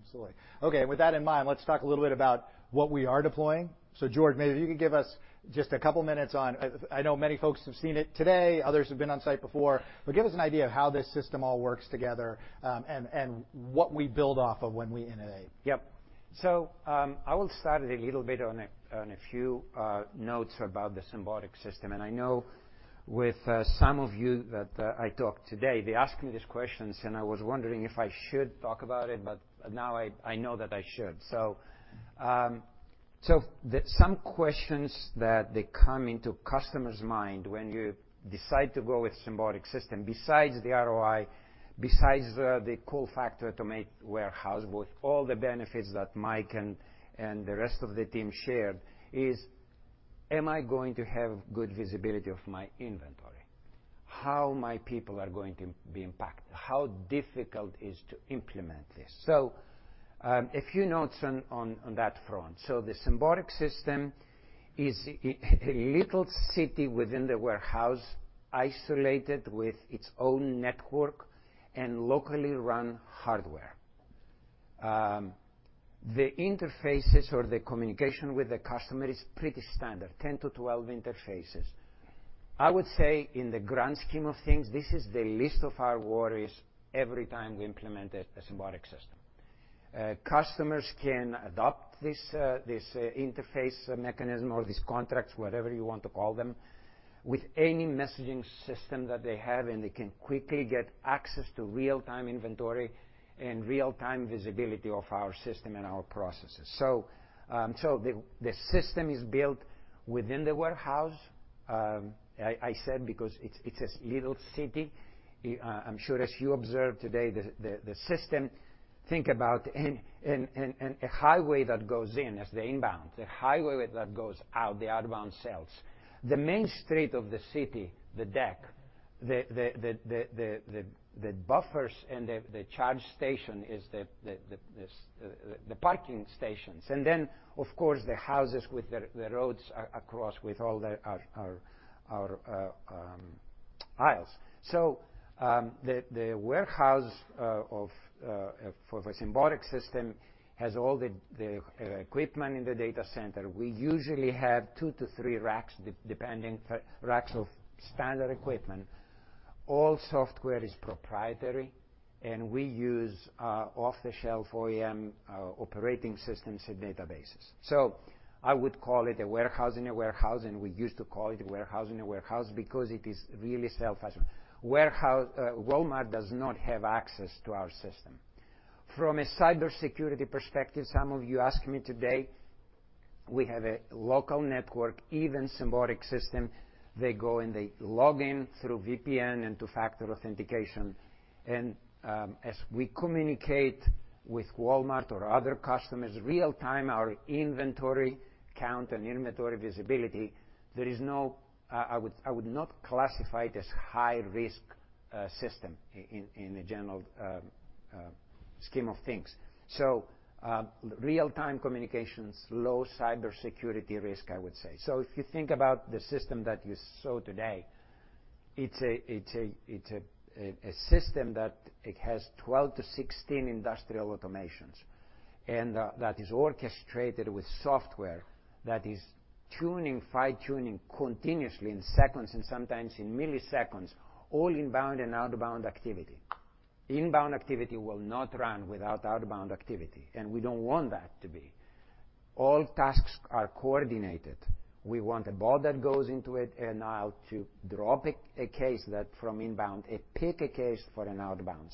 [SPEAKER 5] Absolutely. Okay, with that in mind, let's talk a little bit about what we are deploying. George, maybe if you could give us just 2 minutes on—I know many folks have seen it today, others have been on site before, give us an idea of how this system all works together, and what we build off of when we innovate.
[SPEAKER 6] Yep. I will start a little bit on a few notes about the Symbotic system. I know with some of you that I talked today, they asked me these questions, and I was wondering if I should talk about it, but now I know that I should. Some questions that they come into customers' mind when you decide to go with Symbotic system, besides the ROI, besides the cool factor to make warehouse with all the benefits that Mike and the rest of the team shared, is, am I going to have good visibility of my inventory? How my people are going to be impacted? How difficult is to implement this? A few notes on that front. The Symbotic system is a little city within the warehouse, isolated with its own network and locally run hardware. The interfaces or the communication with the customer is pretty standard, 10-12 interfaces. I would say in the grand scheme of things, this is the least of our worries every time we implement a Symbotic system. Customers can adopt this interface mechanism or these contracts, whatever you want to call them, with any messaging system that they have, and they can quickly get access to real-time inventory and real-time visibility of our system and our processes. The system is built within the warehouse. I said because it's this little city. I'm sure as you observed today, the system—think about a highway that goes in as the inbound, the highway that goes out the outbound cells. The main street of the city, the deck, the buffers, and the charge station is the parking stations. And then, of course, the houses with the roads across with all our aisles. So, the warehouse of for the Symbotic system has all the equipment in the data center. We usually have two to three racks depending, racks of standard equipment. All software is proprietary, and we use off-the-shelf OEM operating systems and databases I would call it a warehouse in a warehouse, and we used to call it a warehouse in a warehouse because it is really self-sufficient. Warehouse, Walmart does not have access to our system. From a cybersecurity perspective, some of you asked me today, we have a local network, even Symbotic system. They go and they log in through VPN and two-factor authentication. As we communicate with Walmart or other customers real-time, our inventory count and inventory visibility, there is no, I would not classify it as high-risk system in the general scheme of things. Real-time communications, low cybersecurity risk, I would say. If you think about the system that you saw today, it's a system that it has 12-16 industrial automations that is orchestrated with software that is tuning, fine-tuning continuously in seconds and sometimes in milliseconds, all inbound and outbound activity. Inbound activity will not run without outbound activity, we don't want that to be. All tasks are coordinated. We want a bot that goes into it and how to drop a case that from inbound, it pick a case for an outbound.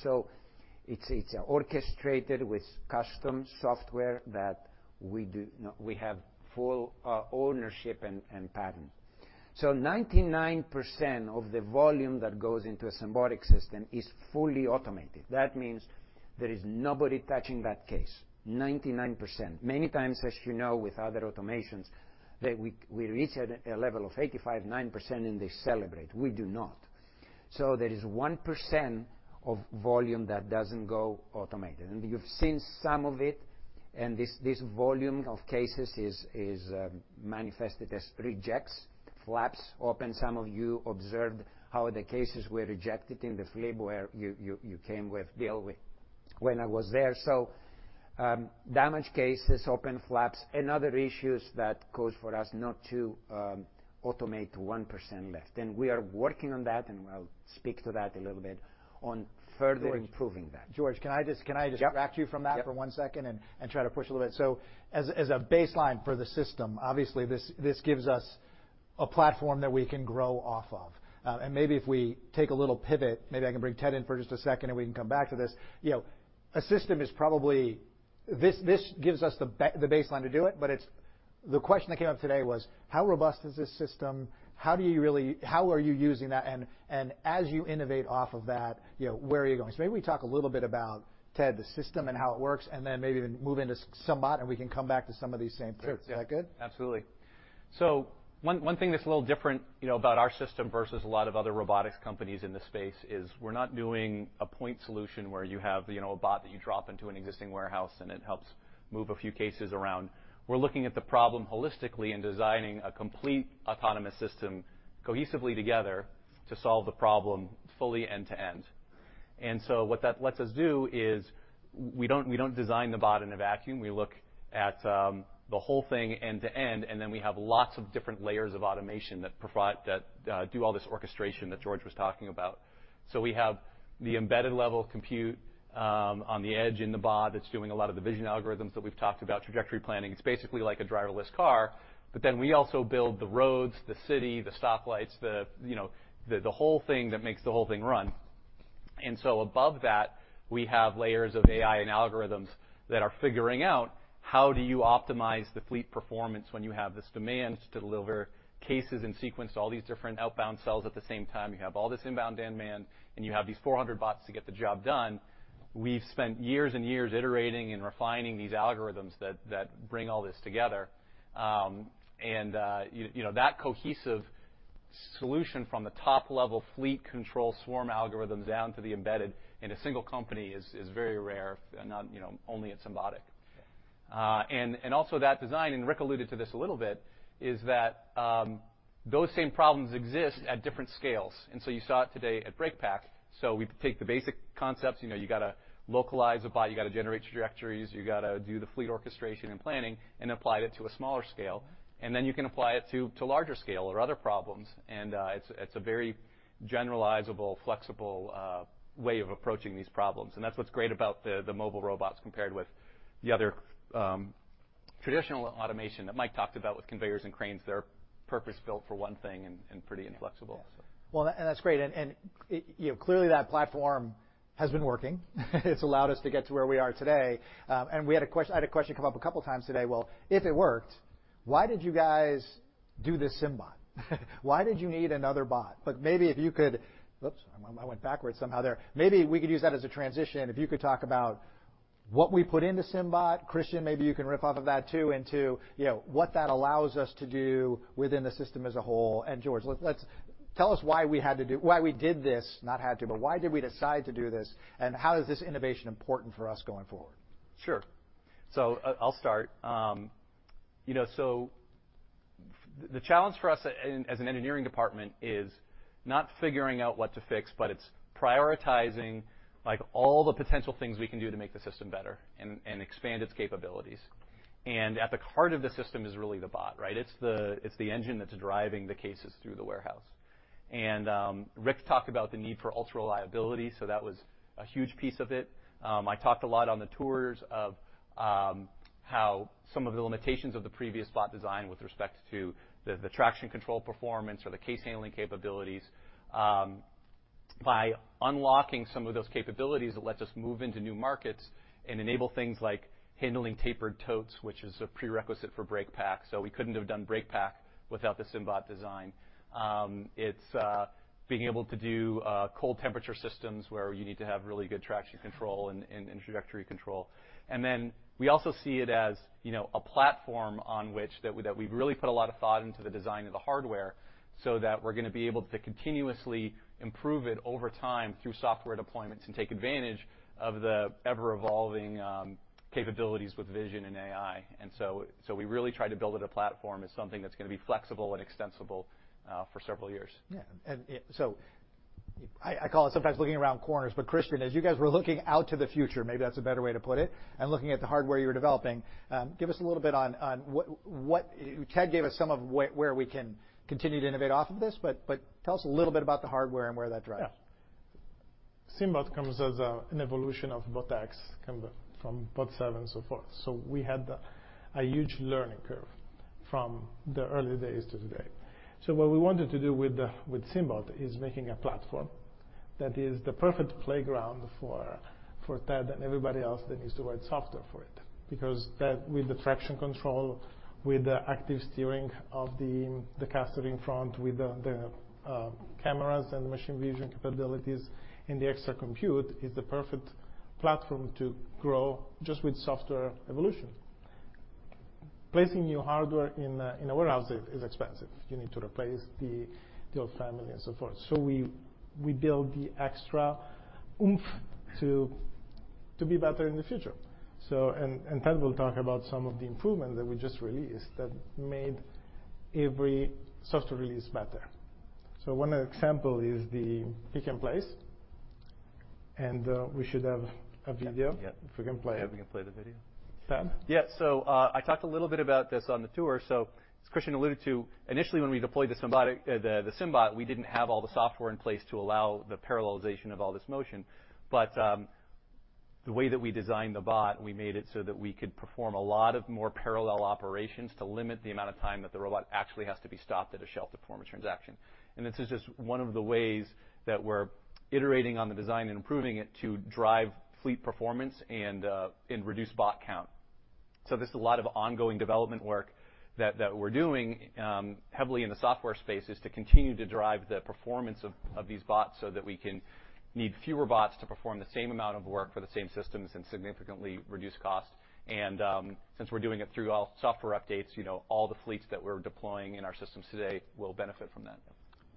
[SPEAKER 6] It's orchestrated with custom software that we have full ownership and patent. So 99% of the volume that goes into a Symbotic system is fully automated. That means there is nobody touching that case, 99%. Many times, as you know, with other automations, we reach a level of 85.9% and they celebrate. We do not. There is 1% of volume that doesn't go automated. You've seen some of it, and this volume of cases is manifested as rejects, flaps open. Some of you observed how the cases were rejected in the flip where you came with Bill when I was there. Damaged cases, open flaps, and other issues that cause for us not to automate the 1% left. We are working on that, and I'll speak to that a little bit on further improving that.
[SPEAKER 5] George, can I just—
[SPEAKER 6] Yep.
[SPEAKER 5] Interrupt you for one second and try to push a little bit? As a baseline for the system, obviously, this gives us a platform that we can grow off of. Maybe if we take a little pivot, maybe I can bring Ted in for just a second, and we can come back to this. You know, this gives us the baseline to do it, but it's. The question that came up today was, how robust is this system? How are you using that? As you innovate off of that, you know, where are you going? Maybe we talk a little bit about, Ted, the system and how it works, and then maybe even move into SymBot, and we can come back to some of these same truths.
[SPEAKER 8] Yeah.
[SPEAKER 5] Is that good?
[SPEAKER 8] Absolutely. One thing that's a little different, you know, about our system versus a lot of other robotics companies in this space is we're not doing a point solution where you have, you know, a bot that you drop into an existing warehouse, and it helps move a few cases around. We're looking at the problem holistically and designing a complete autonomous system cohesively together to solve the problem fully end-to-end. What that lets us do is we don't design the bot in a vacuum. We look at the whole thing end-to-end, and then we have lots of different layers of automation that do all this orchestration that George was talking about. We have the embedded level compute on the edge in the bot that's doing a lot of the vision algorithms that we've talked about, trajectory planning. It's basically like a driverless car, but then we also build the roads, the city, the stoplights, the, you know, the whole thing that makes the whole thing run. Above that, we have layers of AI and algorithms that are figuring out how do you optimize the fleet performance when you have this demand to deliver cases and sequence to all these different outbound cells at the same time. You have all this inbound demand, and you have these 400 bots to get the job done. We've spent years and years iterating and refining these algorithms that bring all this together. You know, that cohesive solution from the top-level fleet control swarm algorithms down to the embedded in a single company is very rare, and not, you know, only at Symbotic. Also that design, and Rick alluded to this a little bit, is that those same problems exist at different scales. You saw it today at BreakPack. We take the basic concepts. You know, you gotta localize a bot, you gotta generate trajectories, you gotta do the fleet orchestration and planning, and apply it to a smaller scale. You can apply it to larger scale or other problems. It's a very generalizable, flexible way of approaching these problems. That's what's great about the mobile robots compared with the other traditional automation that Mike talked about with conveyors and cranes. They're purpose-built for one thing and pretty inflexible.
[SPEAKER 5] Yeah. Well, that's great. You know, clearly that platform has been working. It's allowed us to get to where we are today. I had a question come up a couple times today. Well, if it worked, why did you guys do this SymBot? Why did you need another bot? Maybe if you could. Oops, I went backwards somehow there. Maybe we could use that as a transition. If you could talk about what we put into SymBot. Cristian, maybe you can rip off of that too, into, you know, what that allows us to do within the system as a whole. George, let's tell us why we did this, not had to, but why did we decide to do this, and how is this innovation important for us going forward?
[SPEAKER 8] Sure. I'll start. You know, the challenge for us as an engineering department is not figuring out what to fix, but it's prioritizing, like, all the potential things we can do to make the system better and expand its capabilities. At the heart of the system is really the bot, right? It's the engine that's driving the cases through the warehouse. Rick talked about the need for ultra reliability, so that was a huge piece of it. I talked a lot on the tours of how some of the limitations of the previous bot design with respect to the traction control performance or the case handling capabilities. By unlocking some of those capabilities, it lets us move into new markets and enable things like handling tapered totes, which is a prerequisite for BreakPack. We couldn't have done BreakPack without the SymBot design. It's being able to do cold temperature systems where you need to have really good traction control and introductory control. We also see it as, you know, a platform on which that we've really put a lot of thought into the design of the hardware so that we're gonna be able to continuously improve it over time through software deployments and take advantage of the ever-evolving capabilities with vision and AI. We really try to build it a platform as something that's gonna be flexible and extensible for several years.
[SPEAKER 5] I call it sometimes looking around corners. Cristian, as you guys were looking out to the future, maybe that's a better way to put it, and looking at the hardware you're developing, give us a little bit on what—Ted gave us some of where we can continue to innovate off of this, tell us a little bit about the hardware and where that drives.
[SPEAKER 7] SymBot comes as an evolution of BotX, come from Bot7 so forth. We had a huge learning curve from the early days to today. What we wanted to do with SymBot is making a platform that is the perfect playground for Ted and everybody else that needs to write software for it. That, with the traction control, with the active steering of the caster in front, with the cameras and the machine vision capabilities, and the extra compute, is the perfect platform to grow just with software evolution. Placing new hardware in a warehouse is expensive. You need to replace the old family and so forth. We build the extra oomph to be better in the future. Ted will talk about some of the improvements that we just released that made every software release better. One example is the pick-and-place, and we should have a video.
[SPEAKER 8] Yeah.
[SPEAKER 7] If we can play it.
[SPEAKER 8] If we can play the video.
[SPEAKER 5] Ted?
[SPEAKER 8] I talked a little bit about this on the tour. As Cristian alluded to, initially when we deployed the SymBot, we didn't have all the software in place to allow the parallelization of all this motion. The way that we designed the bot, we made it so that we could perform a lot of more parallel operations to limit the amount of time that the robot actually has to be stopped at a shelf to perform a transaction. This is just one of the ways that we're iterating on the design and improving it to drive fleet performance and reduce bot count. This is a lot of ongoing development work that we're doing, heavily in the software space, is to continue to drive the performance of these bots so that we can need fewer bots to perform the same amount of work for the same systems and significantly reduce cost. Since we're doing it through all software updates, you know, all the fleets that we're deploying in our systems today will benefit from that.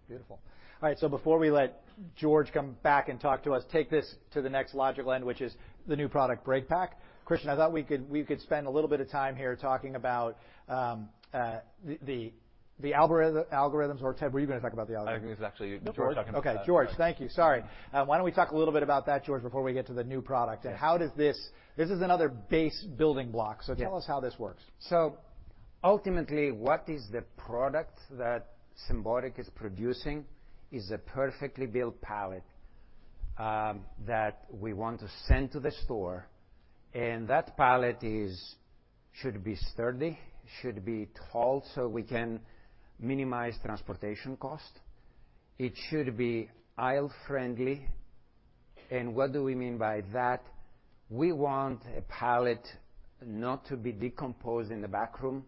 [SPEAKER 5] Beautiful. All right, before we let George come back and talk to us, take this to the next logical end, which is the new product, BreakPack. Cristian, I thought we could spend a little bit of time here talking about the algorithms, or Ted, were you gonna talk about the algorithms?
[SPEAKER 7] I think it's actually George talking about that.
[SPEAKER 5] Okay, George. Thank you. Sorry. Why don't we talk a little bit about that, George, before we get to the new product?
[SPEAKER 6] Sure.
[SPEAKER 5] This is another base building block.
[SPEAKER 6] Yes.
[SPEAKER 5] Tell us how this works.
[SPEAKER 6] Ultimately, what is the product that Symbotic is producing is a perfectly built pallet that we want to send to the store. That pallet should be sturdy, should be tall, so we can minimize transportation cost. It should be aisle-friendly. What do we mean by that? We want a pallet not to be decomposed in the back room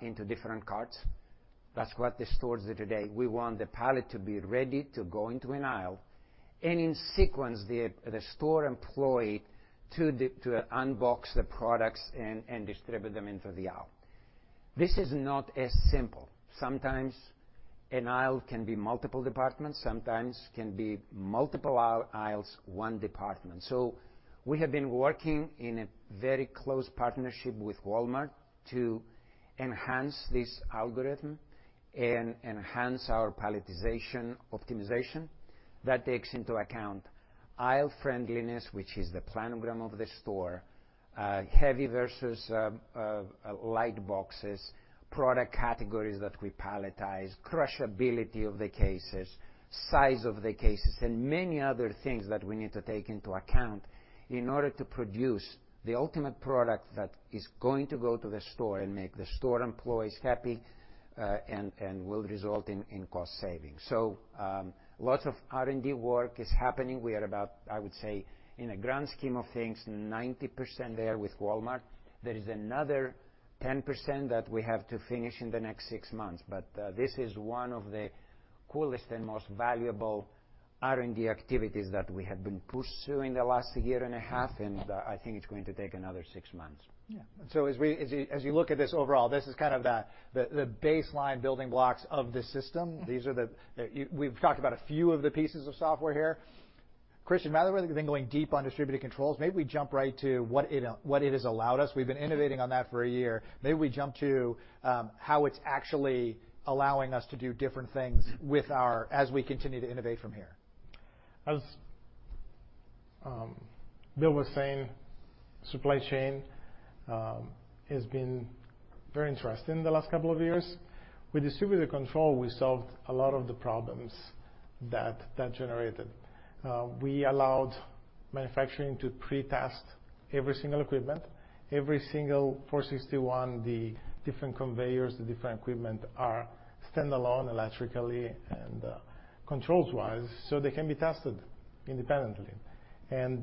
[SPEAKER 6] into different carts. That's what the stores do today. We want the pallet to be ready to go into an aisle, in sequence, the store employee to unbox the products and distribute them into the aisle. This is not as simple. Sometimes an aisle can be multiple departments, sometimes can be multiple aisles, one department. We have been working in a very close partnership with Walmart to enhance this algorithm and enhance our palletization optimization that takes into account aisle friendliness, which is the planogram of the store, heavy versus light boxes, product categories that we palletize, crushability of the cases, size of the cases, and many other things that we need to take into account in order to produce the ultimate product that is going to go to the store and make the store employees happy, and will result in cost savings. Lots of R&D work is happening. We are about, I would say, in a grand scheme of things, 90% there with Walmart. There is another 10% that we have to finish in the next six months, but, this is one of the coolest and most valuable R&D activities that we have been pursuing the last year and a half, and, I think it's going to take another six months.
[SPEAKER 5] Yeah. As you look at this overall, this is kind of the baseline building blocks of the system. These are the—we've talked about a few of the pieces of software here. Cristian, rather than going deep on distributed controls, maybe we jump right to what it has allowed us. We've been innovating on that for a year. Maybe we jump to how it's actually allowing us to do different things with our as we continue to innovate from here.
[SPEAKER 7] As Bill was saying, supply chain has been very interesting in the last couple of years. With distributed controls, we solved a lot of the problems that generated. We allowed manufacturing to pre-test every single equipment. Every single 461, the different conveyors, the different equipment are standalone electrically and controls-wise, so they can be tested independently.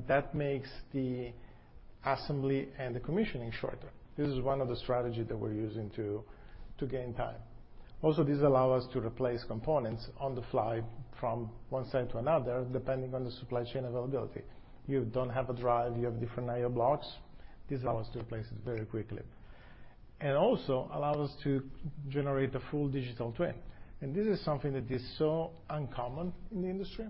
[SPEAKER 7] That makes the assembly and the commissioning shorter. This is one of the strategy that we're using to gain time. Also, this allow us to replace components on the fly from one site to another, depending on the supply chain availability. You don't have a drive, you have different I/O blocks, this allows us to replace it very quickly. Also allow us to generate a full digital twin. This is something that is so uncommon in the industry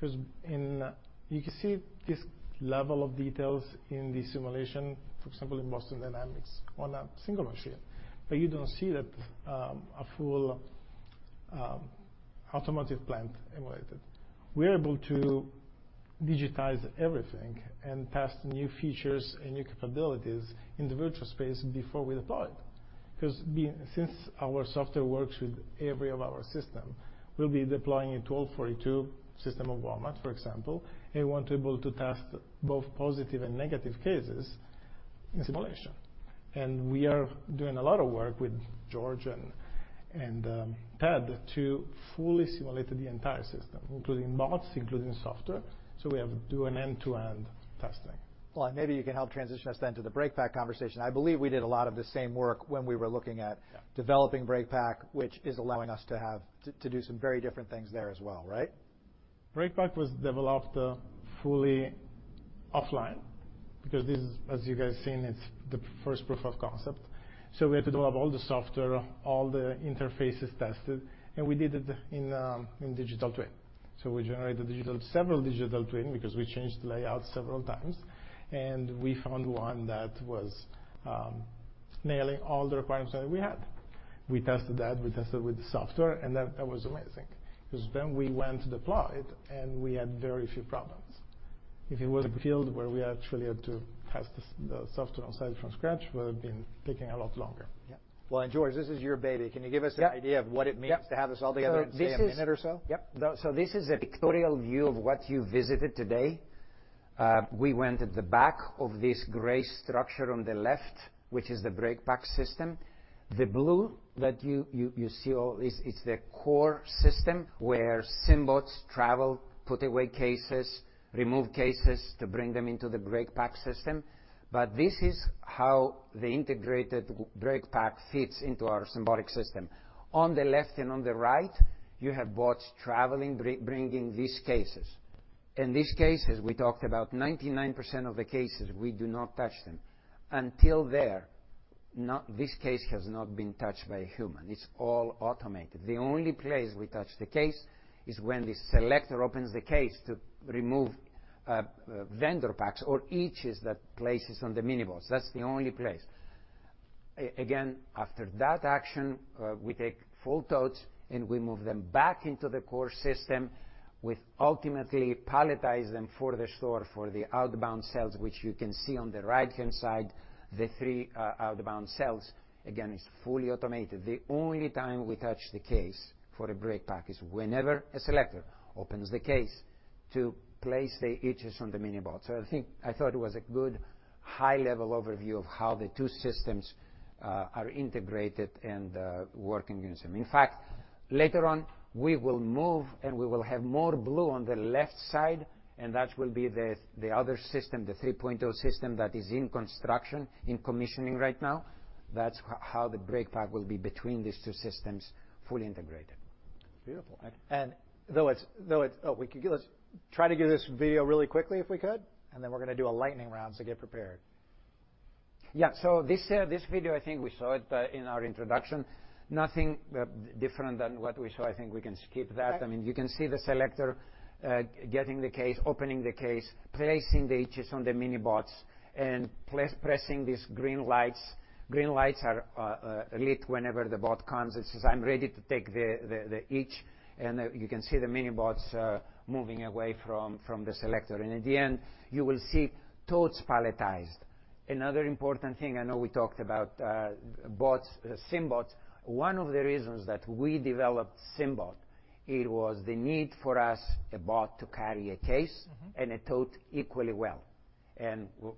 [SPEAKER 7] 'cause you can see this level of details in the simulation, for example, in Boston Dynamics on a single machine, but you don't see that a full automotive plant emulated. We're able to digitize everything and test new features and new capabilities in the virtual space before we deploy it. Since our software works with every of our system, we'll be deploying a 1242 system of Walmart, for example, and we want to able to test both positive and negative cases in simulation. We are doing a lot of work with George and Ted to fully simulate the entire system, including bots, including software, so we have do an end-to-end testing.
[SPEAKER 5] Well, maybe you can help transition us then to the BreakPack conversation. I believe we did a lot of the same work when we were looking at.
[SPEAKER 7] Yeah.
[SPEAKER 5] Developing BreakPack, which is allowing us to do some very different things there as well, right?
[SPEAKER 7] BreakPack was developed fully offline because this is, as you guys seen, it's the first proof of concept. We had to develop all the software, all the interfaces tested, and we did it in digital twin. We generated several digital twin because we changed the layout several times, and we found one that was nailing all the requirements that we had. We tested that, we tested with the software, and that was amazing. Then we went to deploy it, and we had very few problems. If it was in the field where we actually had to test the software on site from scratch, we would've been taking a lot longer.
[SPEAKER 5] Yeah. Well, George, this is your baby. Can you give us an idea of what it means to have this all together in, say, a minute or so?
[SPEAKER 6] Yep. This is a pictorial view of what you visited today. We went at the back of this gray structure on the left, which is the BreakPack system. The blue that you see all is the core system where SymBots travel, put away cases, remove cases to bring them into the BreakPack system. This is how the integrated BreakPack fits into our Symbotic system. On the left and on the right, you have bots traveling, bringing these cases. In these cases, we talked about 99% of the cases, we do not touch them. Until there, this case has not been touched by a human. It's all automated. The only place we touch the case is when the selector opens the case to remove vendor packs or each is the places on the MiniBots. That's the only place. Again, after that action, we take full totes, and we move them back into the core system with ultimately palletize them for the store, for the outbound cells, which you can see on the right-hand side, the three outbound cells. Again, it's fully automated. The only time we touch the case for a BreakPack is whenever a selector opens the case to place the each on the MiniBot. I thought it was a good high-level overview of how the two systems are integrated and working. In fact, later on, we will move, and we will have more blue on the left side, and that will be the other system, the 3.0 system that is in construction, in commissioning right now. That's how the BreakPack will be between these two systems, fully integrated.
[SPEAKER 5] Beautiful. Let's try to give this video really quickly if we could, and then we're gonna do a lightning round, so get prepared.
[SPEAKER 6] Yeah. This video, I think we saw it in our introduction. Nothing different than what we saw. I think we can skip that.
[SPEAKER 5] Okay.
[SPEAKER 6] I mean, you can see the selector getting the case, opening the case, placing the each on the MiniBots, and pressing these green lights. Green lights are lit whenever the bot comes. It says, "I'm ready to take the each." You can see the MiniBots moving away from the selector. In the end, you will see totes palletized. Another important thing, I know we talked about bots, SymBots. One of the reasons that we developed SymBot, it was the need for us, a bot, to carry a case and a tote equally well.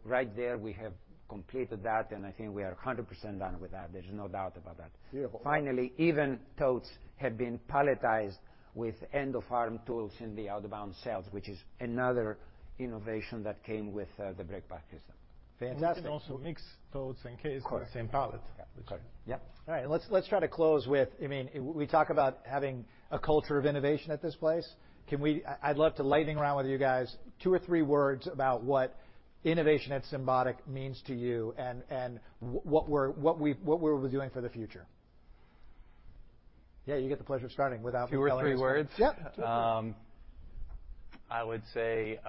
[SPEAKER 6] Right there, we have completed that, and I think we are 100% done with that. There's no doubt about that.
[SPEAKER 5] Beautiful.
[SPEAKER 6] Even totes have been palletized with end-of-arm tools in the outbound cells, which is another innovation that came with the BreakPack system.
[SPEAKER 5] Fantastic.
[SPEAKER 7] We can also mix totes and cases.
[SPEAKER 6] Of course.
[SPEAKER 7] in the same pallet.
[SPEAKER 6] Yeah.
[SPEAKER 5] Okay.
[SPEAKER 6] Yeah.
[SPEAKER 5] All right. Let's try to close with. I mean, we talk about having a culture of innovation at this place. Can we. I'd love to lightning round with you guys. Two or three words about what innovation at Symbotic means to you and what we're doing for the future. Yeah, you get the pleasure of starting without me telling you to start.
[SPEAKER 8] Two or three words?
[SPEAKER 5] Yeah. Two, three.
[SPEAKER 8] I would say,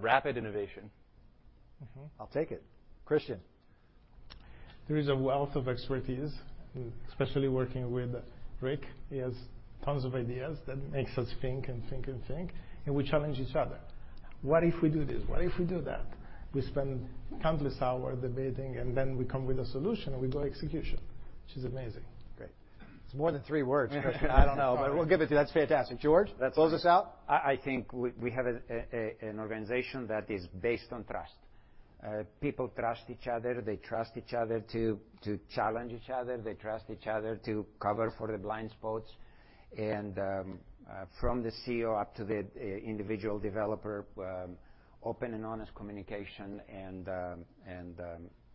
[SPEAKER 8] rapid innovation.
[SPEAKER 5] I'll take it. Cristian.
[SPEAKER 7] There is a wealth of expertise, especially working with Rick. He has tons of ideas that makes us think and think and think, and we challenge each other. What if we do this? What if we do that? We spend countless hours debating, and then we come with a solution, and we go execution, which is amazing.
[SPEAKER 5] Great. It's more than three words, Cristian. I don't know, but we'll give it to you. That's fantastic. George, close this out.
[SPEAKER 6] I think we have an organization that is based on trust. People trust each other. They trust each other to challenge each other. They trust each other to cover for the blind spots. From the CEO up to the individual developer, open and honest communication and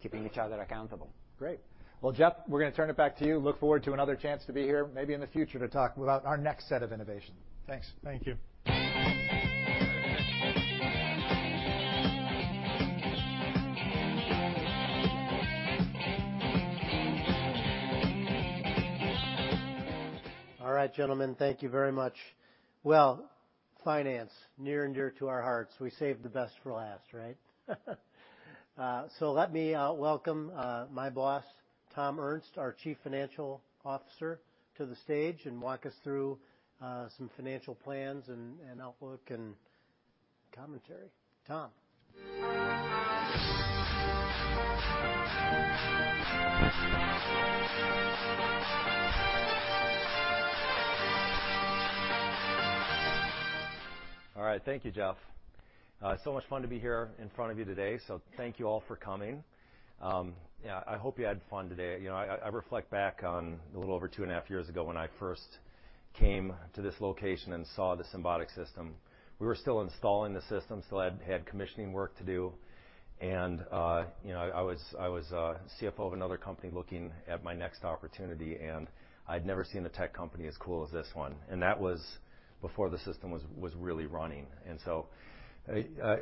[SPEAKER 6] keeping each other accountable.
[SPEAKER 5] Great. Well, Jeff, we're gonna turn it back to you. Look forward to another chance to be here maybe in the future to talk about our next set of innovation. Thanks.
[SPEAKER 1] Thank you. All right, gentlemen. Thank you very much. Well, finance, near and dear to our hearts. We saved the best for last, right? Let me welcome my boss, Tom Ernst, our Chief Financial Officer, to the stage and walk us through some financial plans and outlook and commentary. Tom.
[SPEAKER 9] All right. Thank you, Jeff. So much fun to be here in front of you today, so thank you all for coming. Yeah, I hope you had fun today. You know, I reflect back on a little over two and a half years ago when I first came to this location and saw the Symbotic system. We were still installing the system, still had commissioning work to do. You know, I was a CFO of another company looking at my next opportunity, and I'd never seen a tech company as cool as this one, and that was before the system was really running.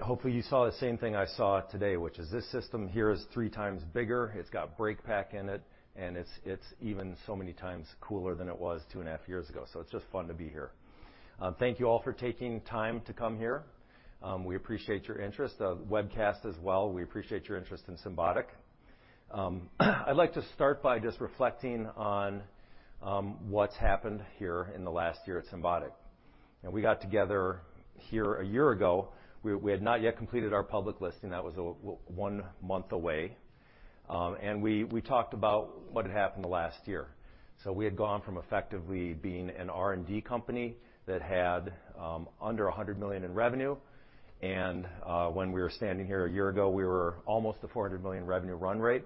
[SPEAKER 9] Hopefully you saw the same thing I saw today, which is this system here is 3x bigger. It's got BreakPack in it, and it's even so many times cooler than it was two and a half years ago. It's just fun to be here. Thank you all for taking time to come here. We appreciate your interest. Webcast as well, we appreciate your interest in Symbotic. I'd like to start by just reflecting on what's happened here in the last year at Symbotic. When we got together here a year ago, we had not yet completed our public listing. That was one month away. We talked about what had happened the last year. We had gone from effectively being an R&D company that had under $100 million in revenue. When we were standing here a year ago, we were almost a $400 million revenue run rate.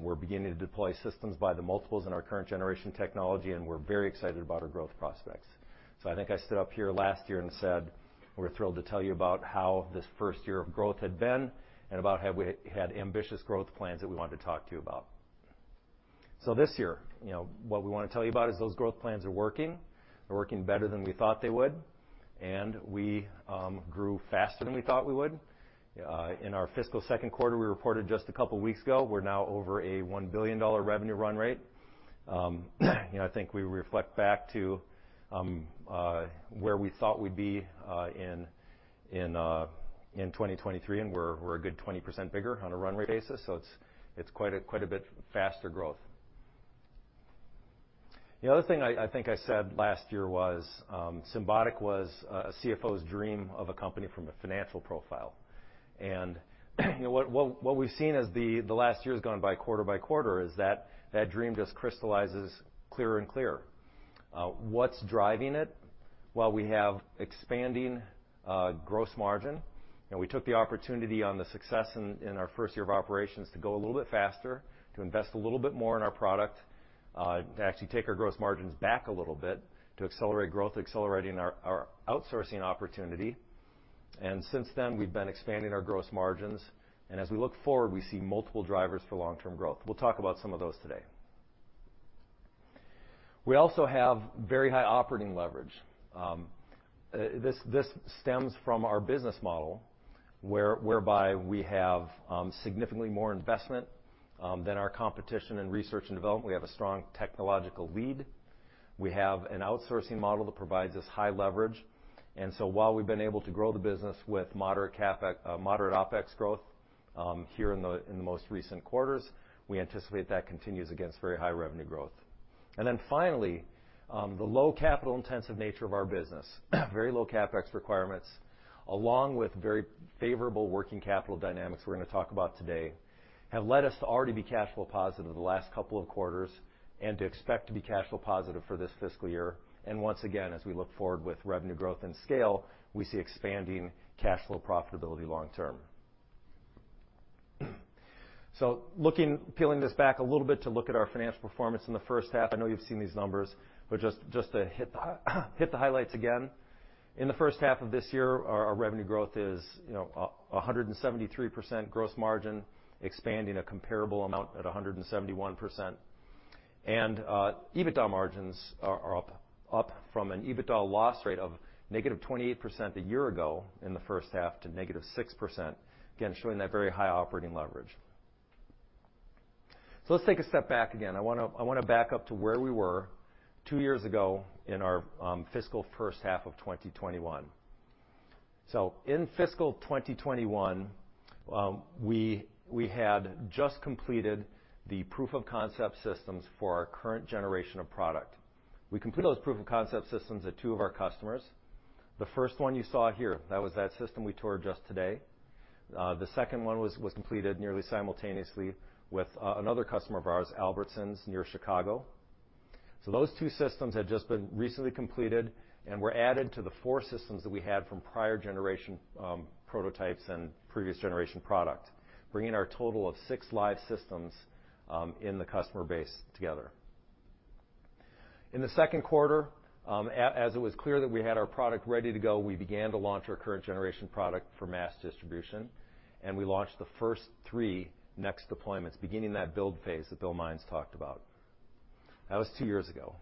[SPEAKER 9] We're beginning to deploy systems by the multiples in our current-generation technology. We're very excited about our growth prospects. I think I stood up here last year and said we're thrilled to tell you about how this first year of growth had been and about how we had ambitious growth plans that we wanted to talk to you about. This year, you know, what we wanna tell you about is those growth plans are working. They're working better than we thought they would, and we grew faster than we thought we would. In our fiscal second quarter, we reported just a couple weeks ago, we're now over a $1 billion revenue run rate. You know, I think we reflect back to where we thought we'd be in 2023, and we're a good 20% bigger on a run rate basis. It's quite a bit faster growth. The other thing I think I said last year was, Symbotic was a CFO's dream of a company from a financial profile. You know, what we've seen as the last year has gone by quarter-by-quarter is that that dream just crystallizes clearer and clearer. What's driving it? Well, we have expanding gross margin. We took the opportunity on the success in our first year of operations to go a little bit faster, to invest a little bit more in our product, to actually take our gross margins back a little bit, to accelerate growth, accelerating our outsourcing opportunity. Since then, we've been expanding our gross margins. As we look forward, we see multiple drivers for long-term growth. We'll talk about some of those today. We also have very high operating leverage. This stems from our business model whereby we have significantly more investment than our competition in research and development. We have a strong technological lead. We have an outsourcing model that provides us high leverage. While we've been able to grow the business with moderate OpEx growth here in the most recent quarters, we anticipate that continues against very high revenue growth. Finally, the low capital-intensive nature of our business, very low CapEx requirements, along with very favorable working capital dynamics we're gonna talk about today, have led us to already be cash flow positive the last couple of quarters and to expect to be cash flow positive for this fiscal year. Once again, as we look forward with revenue growth and scale, we see expanding cash flow profitability long term. Peeling this back a little bit to look at our financial performance in the first half, I know you've seen these numbers, just to hit the highlights again. In the first half of this year, our revenue growth is, you know, 173% gross margin, expanding a comparable amount at 171%. EBITDA margins are up from an EBITDA loss rate of -28% a year ago in the first half to -6%, again, showing that very high operating leverage. Let's take a step back again. I wanna back up to where we were two years ago in our fiscal first half of 2021. In fiscal 2021, we had just completed the proof of concept systems for our current generation of product. We completed those proof of concept systems at two of our customers. The first one you saw here, that was that system we toured just today. The second one was completed nearly simultaneously with another customer of ours, Albertsons, near Chicago. Those two systems had just been recently completed and were added to the four systems that we had from prior-generation prototypes and previous-generation product, bringing our total of six live systems in the customer base together. In the 2Q, as it was clear that we had our product ready to go, we began to launch our current-generation product for mass distribution, and we launched the first three next deployments, beginning that build phase that Bill Mines talked about. That was two years ago.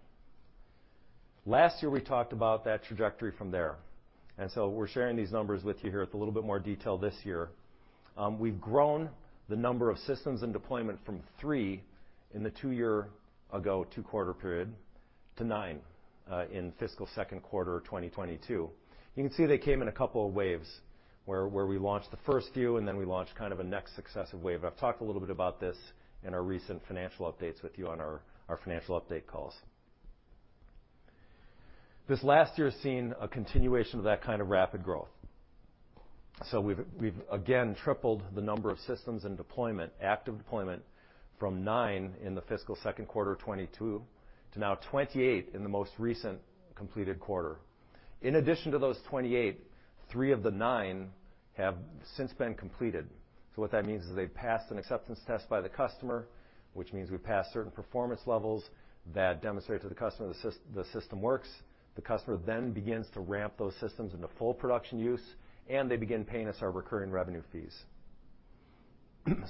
[SPEAKER 9] Last year, we talked about that trajectory from there. We're sharing these numbers with you here with a little bit more detail this year. We've grown the number of systems in deployment from three in the two year-ago, two-quarter period to nine in fiscal second quarter of 2022. You can see they came in a couple of waves where we launched the first few, and then we launched kind of a next successive wave. I've talked a little bit about this in our recent financial updates with you on our financial update calls. This last year has seen a continuation of that kind of rapid growth. We've again tripled the number of systems in deployment, active deployment, from nine in the fiscal second quarter of 2022 to now 28 in the most recent completed quarter. In addition to those 28, three of the nine have since been completed. What that means is they've passed an acceptance test by the customer, which means we've passed certain performance levels that demonstrate to the customer the system works. The customer then begins to ramp those systems into full production use, and they begin paying us our recurring revenue fees.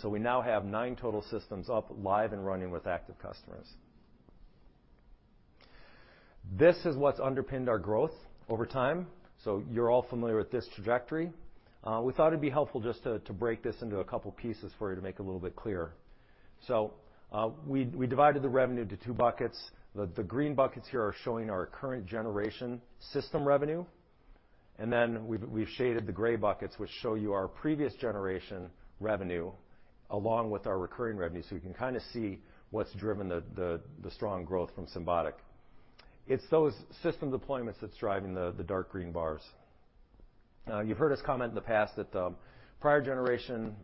[SPEAKER 9] We now have nine total systems up live and running with active customers. This is what's underpinned our growth over time. You're all familiar with this trajectory. We thought it'd be helpful just to break this into a couple pieces for you to make it a little bit clearer. We divided the revenue into two buckets. The green buckets here are showing our current-generation system revenue. Then we've shaded the gray buckets, which show you our previous-generation revenue along with our recurring revenue, so you can kinda see what's driven the strong growth from Symbotic. It's those system deployments that's driving the dark green bars. You've heard us comment in the past that the prior-generation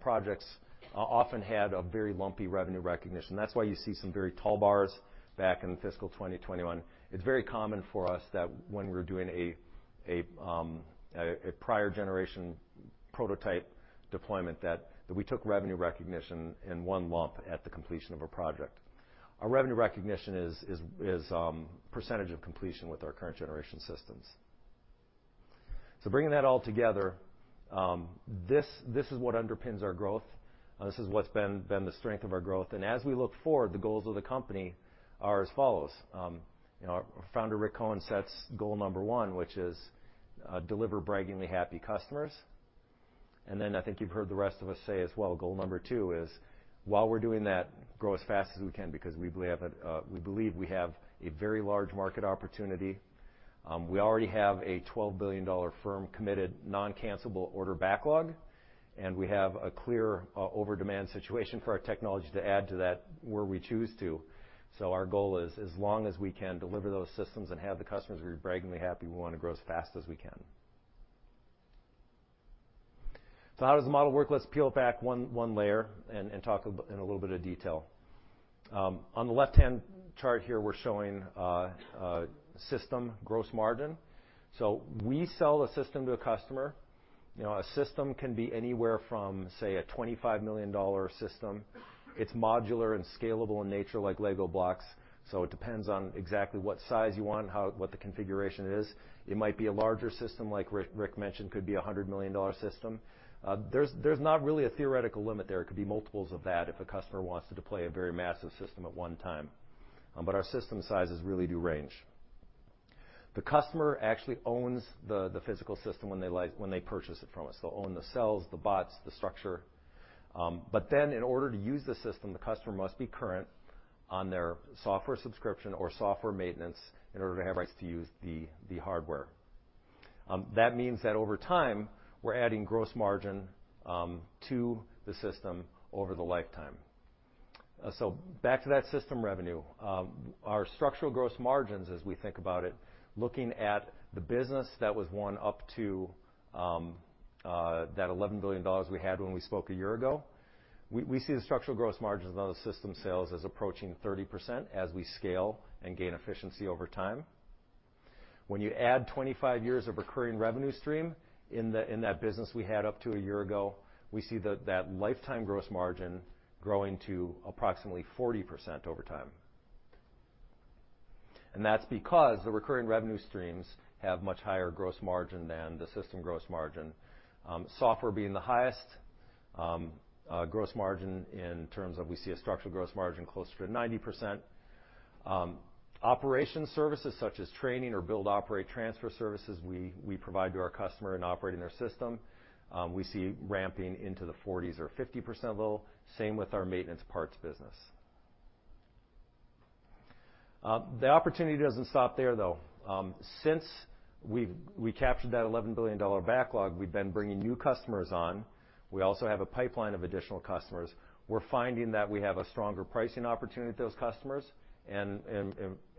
[SPEAKER 9] projects often had a very lumpy revenue recognition. That's why you see some very tall bars back in fiscal 2021. It's very common for us that when we're doing a prior-generation prototype deployment that we took revenue recognition in one lump at the completion of a project. Our revenue recognition is percentage of completion with our current-generation systems. Bringing that all together, this is what underpins our growth, and this is what's been the strength of our growth. As we look forward, the goals of the company are as follows. you know, our founder, Rick Cohen, sets goal number one, which is deliver braggingly happy customers. I think you've heard the rest of us say as well, goal number two is, while we're doing that, grow as fast as we can because we believe that, we believe we have a very large market opportunity. We already have a $12 billion firm-committed, non-cancelable order backlog, and we have a clear over demand situation for our technology to add to that where we choose to. Our goal is as long as we can deliver those systems and have the customers be braggingly happy, we wanna grow as fast as we can. How does the model work? Let's peel back one layer and talk in a little bit of detail. On the left-hand chart here, we're showing a system gross margin. We sell a system to a customer. You know, a system can be anywhere from, say, a $25 million system. It's modular and scalable in nature, like LEGO blocks, so it depends on exactly what size you want and what the configuration is. It might be a larger system like Rick mentioned, could be a $100 million system. There's not really a theoretical limit there. It could be multiples of that if a customer wants to deploy a very massive system at one time. Our system sizes really do range. The customer actually owns the physical system when they when they purchase it from us. They'll own the cells, the bots, the structure. In order to use the system, the customer must be current on their software subscription or software maintenance in order to have rights to use the hardware. That means that over time, we're adding gross margin to the system over the lifetime. Back to that system revenue. Our structural gross margins as we think about it, looking at the business that was won up to that $11 billion we had when we spoke a year ago, we see the structural gross margins on the system sales as approaching 30% as we scale and gain efficiency over time. When you add 25 years of recurring revenue stream in that business we had up to a year ago, we see that lifetime gross margin growing to approximately 40% over time. That's because the recurring revenue streams have much higher gross margin than the system gross margin. Software being the highest gross margin in terms of we see a structural gross margin closer to 90%. Operations services such as training or build, operate, transfer services we provide to our customer in operating their system, we see ramping into the 40% or 50% level. Same with our maintenance parts business. The opportunity doesn't stop there, though. Since we captured that $11 billion backlog, we've been bringing new customers on. We also have a pipeline of additional customers. We're finding that we have a stronger pricing opportunity with those customers, and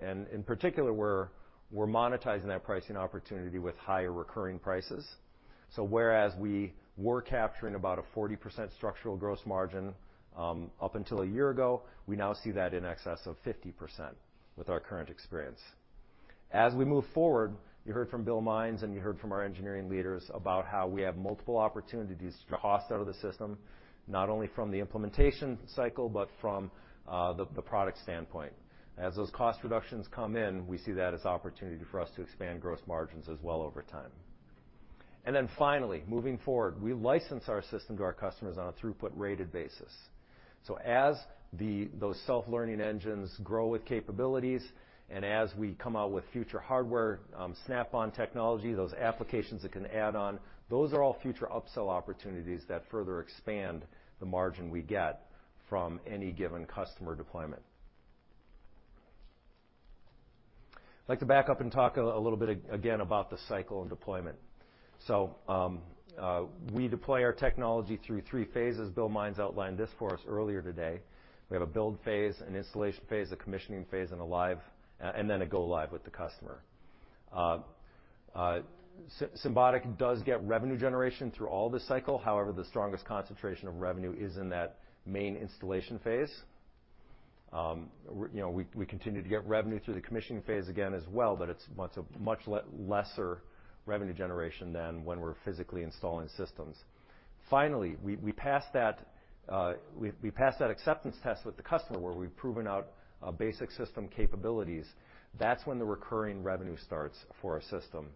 [SPEAKER 9] in particular, we're monetizing that pricing opportunity with higher recurring prices. Whereas we were capturing about a 40% structural gross margin, up until a year ago, we now see that in excess of 50% with our current experience. You heard from Bill Mines, you heard from our engineering leaders about how we have multiple opportunities to take costs out of the system, not only from the implementation cycle but from the product standpoint. Those cost reductions come in, we see that as opportunity for us to expand gross margins as well over time. Finally, moving forward, we license our system to our customers on a throughput-rated basis. As those self-learning engines grow with capabilities and as we come out with future hardware, snap-on technology, those applications that can add on, those are all future upsell opportunities that further expand the margin we get from any given customer deployment. I'd like to back up and talk a little bit again about the cycle of deployment. We deploy our technology through three phases. Bill Mines outlined this for us earlier today. We have a build phase, an installation phase, a commissioning phase, and a live, and then a go-live with the customer. Symbotic does get revenue generation through all the cycle. However, the strongest concentration of revenue is in that main installation phase. We're, you know, we continue to get revenue through the commissioning phase again as well, but it's much lesser revenue generation than when we're physically installing systems. Finally, we pass that acceptance test with the customer where we've proven out, basic system capabilities. That's when the recurring revenue starts for our system.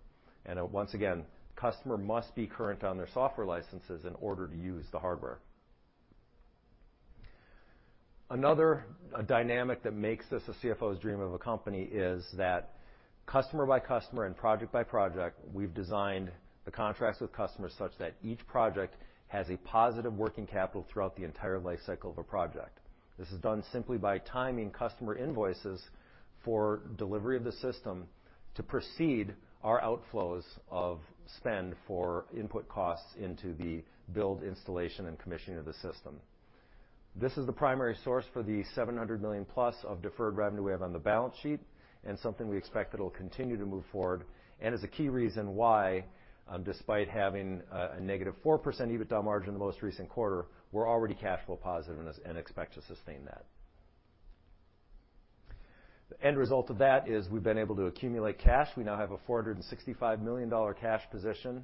[SPEAKER 9] Once again, customer must be current on their software licenses in order to use the hardware. Another dynamic that makes this a CFO's dream of a company is that customer by customer and project by project, we've designed the contracts with customers such that each project has a positive working capital throughout the entire life cycle of a project. This is done simply by timing customer invoices for delivery of the system to precede our outflows of spend for input costs into the build, installation, and commissioning of the system. This is the primary source for the $700+ million of deferred revenue we have on the balance sheet, and something we expect that'll continue to move forward, and is a key reason why, despite having a -4% EBITDA margin in the most recent quarter, we're already cash flow positive and expect to sustain that. The end result of that is we've been able to accumulate cash. We now have a $465 million cash position.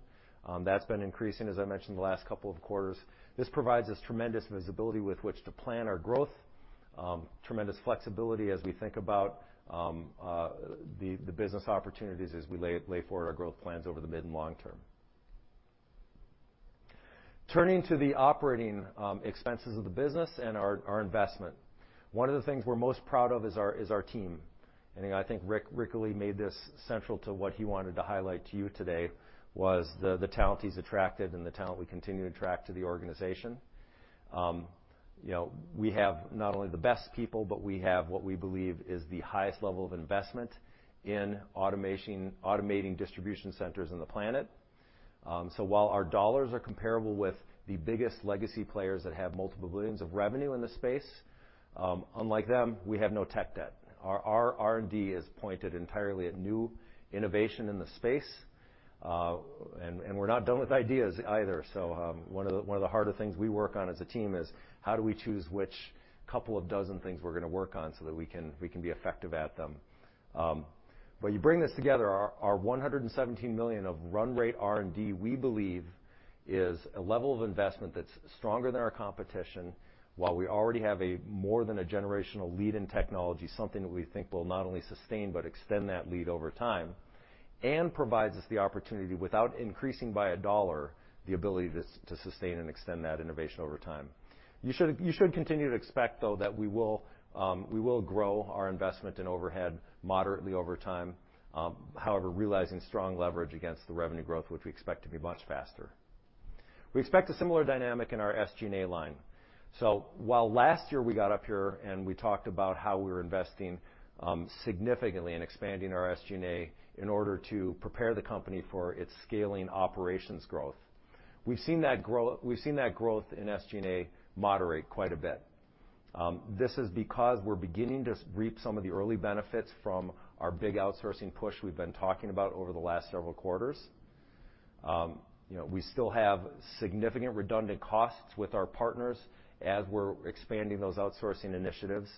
[SPEAKER 9] That's been increasing, as I mentioned, the last couple of quarters. This provides us tremendous visibility with which to plan our growth, tremendous flexibility as we think about the business opportunities as we lay forward our growth plans over the mid and long term. Turning to the operating expenses of the business and our investment. One of the things we're most proud of is our team, and I think Rick Cohen really made this central to what he wanted to highlight to you today was the talent he's attracted and the talent we continue to attract to the organization. You know, we have not only the best people, but we have what we believe is the highest level of investment in automation, automating distribution centers in the planet. While our dollars are comparable with the biggest legacy players that have multiple billions of revenue in this space, unlike them, we have no tech debt. Our R&D is pointed entirely at new innovation in the space, and we're not done with ideas either. One of the harder things we work on as a team is how do we choose which couple of dozen things we're gonna work on so that we can be effective at them. You bring this together, our $117 million of run rate R&D, we believe is a level of investment that's stronger than our competition while we already have a more than a generational lead in technology, something that we think will not only sustain but extend that lead over time, and provides us the opportunity, without increasing by $1, the ability to sustain and extend that innovation over time. You should continue to expect, though, that we will grow our investment in overhead moderately over time. Realizing strong leverage against the revenue growth, which we expect to be much faster. We expect a similar dynamic in our SG&A line. While last year we got up here and we talked about how we're investing significantly in expanding our SG&A in order to prepare the company for its scaling operations growth. We've seen that growth in SG&A moderate quite a bit. This is because we're beginning to reap some of the early benefits from our big outsourcing push we've been talking about over the last several quarters. You know, we still have significant redundant costs with our partners as we're expanding those outsourcing initiatives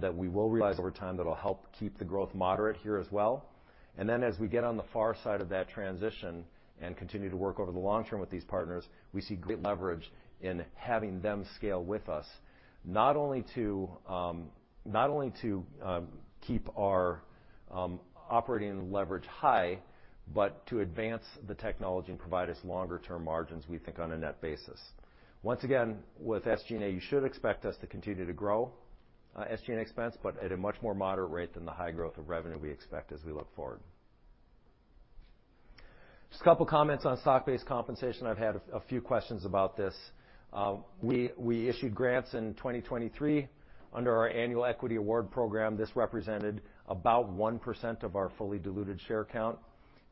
[SPEAKER 9] that we will realize over time that'll help keep the growth moderate here as well. As we get on the far side of that transition and continue to work over the long term with these partners, we see great leverage in having them scale with us, not only to keep our operating leverage high, but to advance the technology and provide us longer term margins, we think, on a net basis. Once again, with SG&A, you should expect us to continue to grow SG&A expense, but at a much more moderate rate than the high growth of revenue we expect as we look forward. Just a couple comments on stock-based compensation. I've had a few questions about this. We issued grants in 2023 under our annual equity award program. This represented about 1% of our fully diluted share count.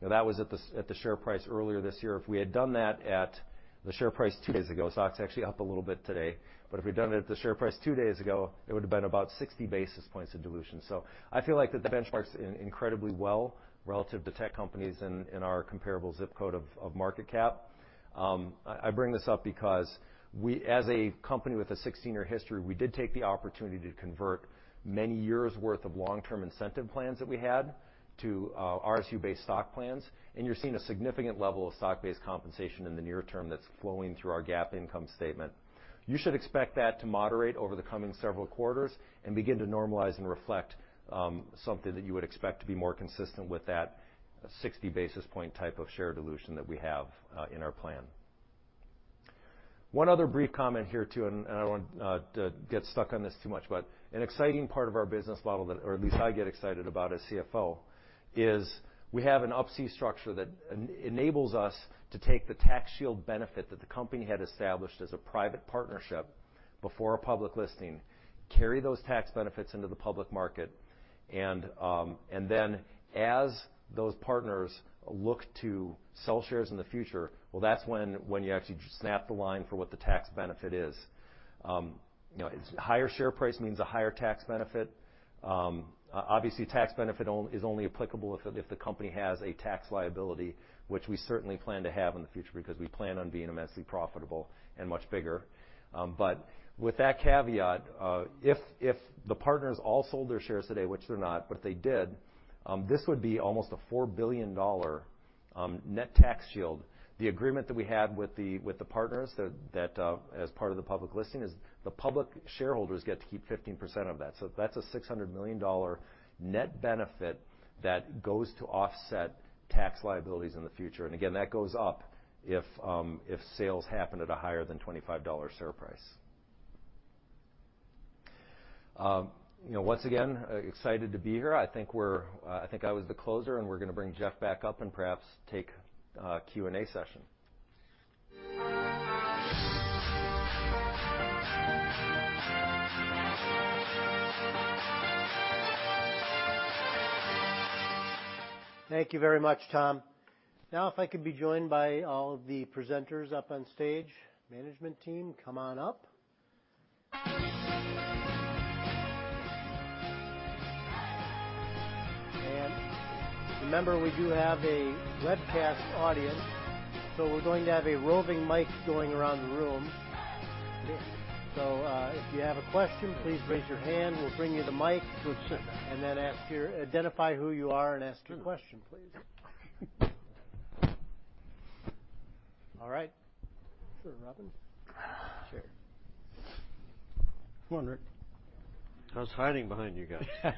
[SPEAKER 9] Now, that was at the, at the share price earlier this year. If we had done that at the share price two days ago, stock's actually up a little bit today, but if we'd done it at the share price two days ago, it would've been about 60 basis points of dilution. I feel like that benchmarks in incredibly well relative to tech companies in our comparable ZIP code of market cap. I bring this up because we, as a company with a 16-year history, we did take the opportunity to convert many years worth of long-term incentive plans that we had to RSU-based stock plans, and you're seeing a significant level of stock-based compensation in the near term that's flowing through our GAAP income statement. You should expect that to moderate over the coming several quarters and begin to normalize and reflect something that you would expect to be more consistent with that 60 basis point-type of share dilution that we have in our plan. One other brief comment here, too, I don't want to get stuck on this too much, but an exciting part of our business model that, or at least I get excited about as CFO, is we have an Up-C structure that enables us to take the tax shield benefit that the company had established as a private partnership before a public listing, carry those tax benefits into the public market, and then as those partners look to sell shares in the future, well, that's when you actually snap the line for what the tax benefit is. You know, it's—higher share price means a higher tax benefit. obviously, tax benefit is only applicable if the company has a tax liability, which we certainly plan to have in the future because we plan on being immensely profitable and much bigger. With that caveat, if the partners all sold their shares today, which they're not, but they did, this would be almost a $4 billion net tax shield. The agreement that we had with the partners that as part of the public listing is the public shareholders get to keep 15% of that. That's a $600 million net benefit that goes to offset tax liabilities in the future. Again, that goes up if sales happen at a higher than $25 share price. You know, once again, excited to be here. I think I was the closer, and we're gonna bring Jeff back up and perhaps take a Q&A session.
[SPEAKER 1] Thank you very much, Tom. If I could be joined by all of the presenters up on stage. Management team, come on up. Remember, we do have a webcast audience, so we're going to have a roving mic going around the room. If you have a question, please raise your hand. We'll bring you the mic. Then identify who you are and ask your question, please. All right. Sure, Robin. Sure. Come on, Rick.
[SPEAKER 2] I was hiding behind you guys.
[SPEAKER 10] Hey,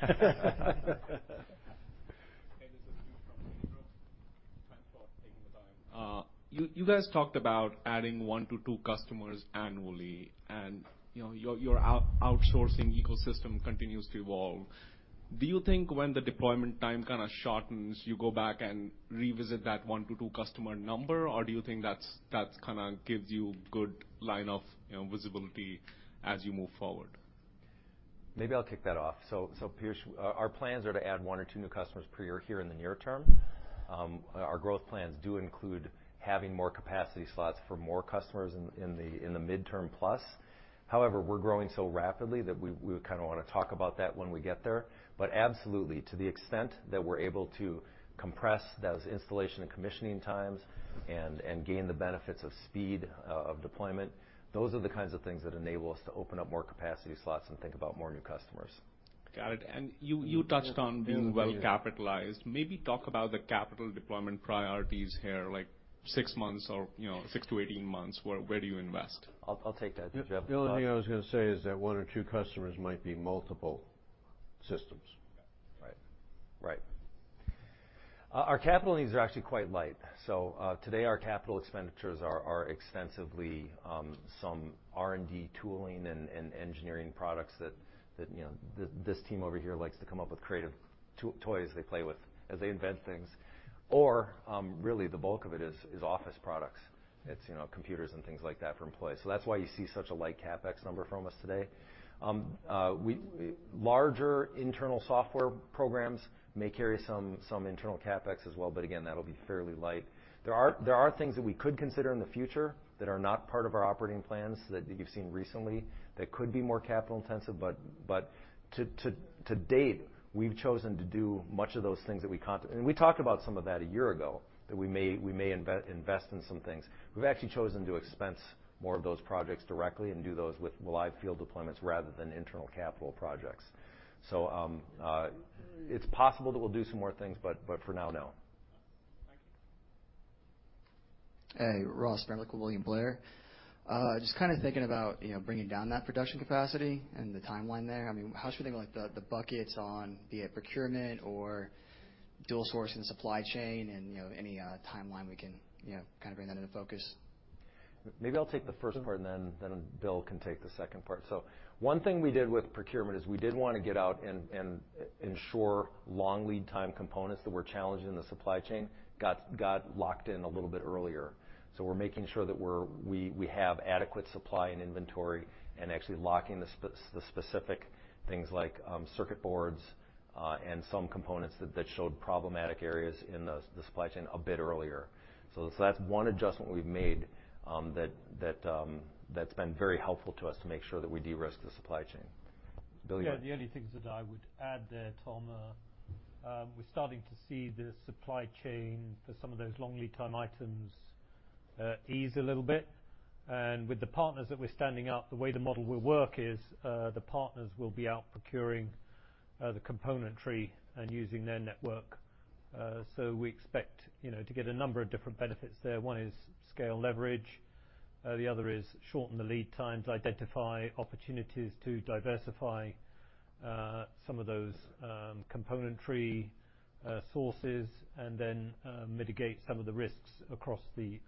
[SPEAKER 10] this is. Thanks for taking the time. You guys talked about adding one to two customers annually, you know, your outsourcing ecosystem continues to evolve. Do you think when the deployment time kinda shortens, you go back and revisit that one to two customer number? Do you think that kinda gives you good line of, you know, visibility as you move forward?
[SPEAKER 9] Maybe I'll kick that off. [Pierce], our plans are to add one or two new customers per year here in the near term. Our growth plans do include having more capacity slots for more customers in the midterm plus. However, we're growing so rapidly that we kind of wanna talk about that when we get there. Absolutely, to the extent that we're able to compress those installation and commissioning times and gain the benefits of speed of deployment, those are the kinds of things that enable us to open up more capacity slots and think about more new customers.
[SPEAKER 10] Got it. You touched on being well capitalized. Maybe talk about the capital deployment priorities here, like six months or, you know, 6-18 months, where do you invest?
[SPEAKER 9] I'll take that. Do you have a thought?
[SPEAKER 2] The only thing I was gonna say is that one or two customers might be multiple systems.
[SPEAKER 9] Right. Right. Our capital needs are actually quite light. Today our CapEx are extensively some R&D tooling and engineering products that, you know, this team over here likes to come up with creative toys they play with as they invent things. Or really the bulk of it is office products. It's, you know, computers and things like that for employees. That's why you see such a light CapEx number from us today. Larger internal software programs may carry some internal CapEx as well, but again, that'll be fairly light. There are things that we could consider in the future that are not part of our operating plans that you've seen recently that could be more capital-intensive, but to date, we've chosen to do much of those things that we talked about some of that a year ago, that we may invest in some things. We've actually chosen to expense more of those projects directly and do those with live field deployments rather than internal capital projects. It's possible that we'll do some more things, but for now, no.
[SPEAKER 10] Thank you.
[SPEAKER 11] Hey, Ross Sparenblek with William Blair. Just kinda thinking about, you know, bringing down that production capacity and the timeline there. I mean, how should we think about the buckets on be it procurement or dual sourcing the supply chain and, you know, any timeline we can, you know, kinda bring that into focus?
[SPEAKER 9] Maybe I'll take the first part and then Bill can take the second part. One thing we did with procurement is we did wanna get out and ensure long lead time components that were challenged in the supply chain got locked in a little bit earlier. We're making sure that we have adequate supply and inventory and actually locking the specific things like circuit boards and some components that showed problematic areas in the supply chain a bit earlier. That's one adjustment we've made that's been very helpful to us to make sure that we de-risk the supply chain. Bill, you—
[SPEAKER 4] Yeah, the only things that I would add there, Tom, we're starting to see the supply chain for some of those long lead time items ease a little bit. With the partners that we're standing up, the way the model will work is the partners will be out procuring the componentry and using their network. We expect, you know, to get a number of different benefits there. One is scale leverage. The other is shorten the lead times, identify opportunities to diversify some of those componentry sources, and then mitigate some of the risks across the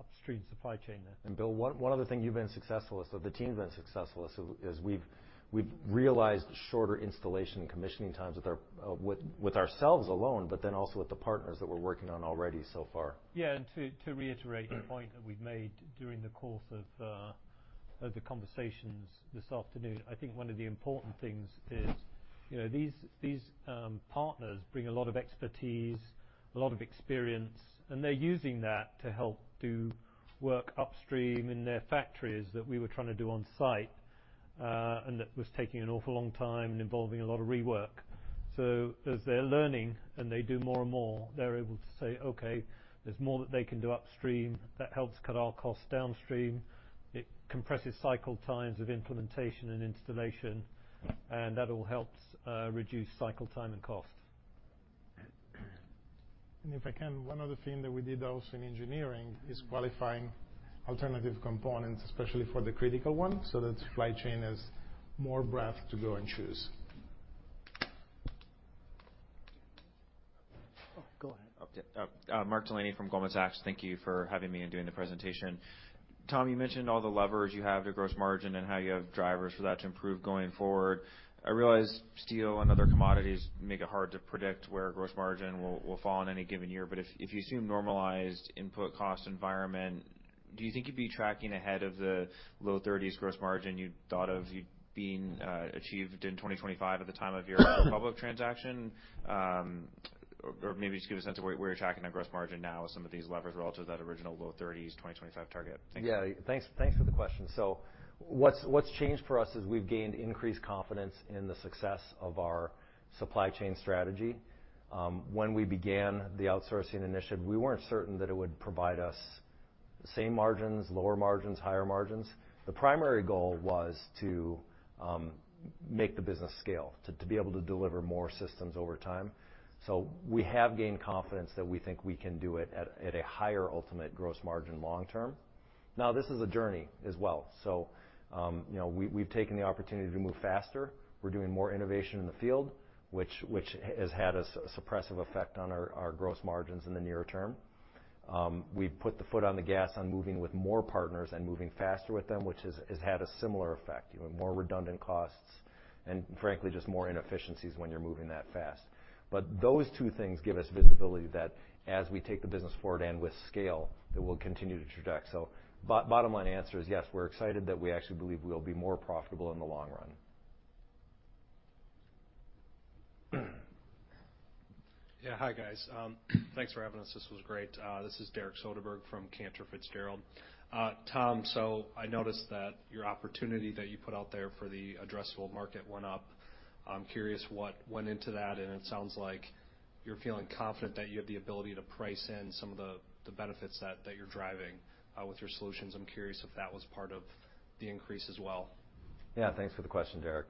[SPEAKER 4] upstream supply chain there.
[SPEAKER 9] Bill, one other thing you've been successful is, or the team's been successful is we've realized shorter installation and commissioning times with ourselves alone, but then also with the partners that we're working on already so far.
[SPEAKER 4] Yeah, to reiterate the point that we've made during the course of the conversations this afternoon, I think one of the important things is, you know, these partners bring a lot of expertise, a lot of experience, and they're using that to help do work upstream in their factories that we were trying to do on site, that was taking an awful long time and involving a lot of rework. As they're learning and they do more and more, they're able to say, "Okay, there's more that they can do upstream that helps cut our costs downstream." It compresses cycle times of implementation and installation, and that all helps reduce cycle time and cost.
[SPEAKER 7] If I can, one other thing that we did also in engineering is qualifying alternative components, especially for the critical ones, so that supply chain has more breadth to go and choose.
[SPEAKER 1] Oh, go ahead.
[SPEAKER 12] Okay. Mark Delaney from Goldman Sachs. Thank you for having me and doing the presentation. Tom, you mentioned all the levers you have to gross margin and how you have drivers for that to improve going forward. I realize steel and other commodities make it hard to predict where gross margin will fall on any given year. If you assume normalized input cost environment Do you think you'd be tracking ahead of the low 30s gross margin you thought of you being achieved in 2025 at the time of your public transaction? Maybe just give a sense of where you're tracking on gross margin now with some of these levers relative to that original low 30s, 2025 target. Thanks.
[SPEAKER 9] Yeah. Thanks for the question. What's changed for us is we've gained increased confidence in the success of our supply chain strategy. When we began the outsourcing initiative, we weren't certain that it would provide us the same margins, lower margins, higher margins. The primary goal was to make the business scale, to be able to deliver more systems over time. We have gained confidence that we think we can do it at a higher ultimate gross margin long term. Now, this is a journey as well, you know, we've taken the opportunity to move faster. We're doing more innovation in the field, which has had a suppressive effect on our gross margins in the near term. We've put the foot on the gas on moving with more partners and moving faster with them, which has had a similar effect. You know, more redundant costs and frankly, just more inefficiencies when you're moving that fast. Those two things give us visibility that as we take the business forward and with scale, that we'll continue to traject. Bottom line answer is yes, we're excited that we actually believe we'll be more profitable in the long run.
[SPEAKER 13] Yeah. Hi, guys. Thanks for having us. This was great. This is Derek Soderberg from Cantor Fitzgerald. Tom, I noticed that your opportunity that you put out there for the addressable market went up. I'm curious what went into that, and it sounds like you're feeling confident that you have the ability to price in some of the benefits that you're driving with your solutions. I'm curious if that was part of the increase as well.
[SPEAKER 9] Yeah. Thanks for the question, Derek.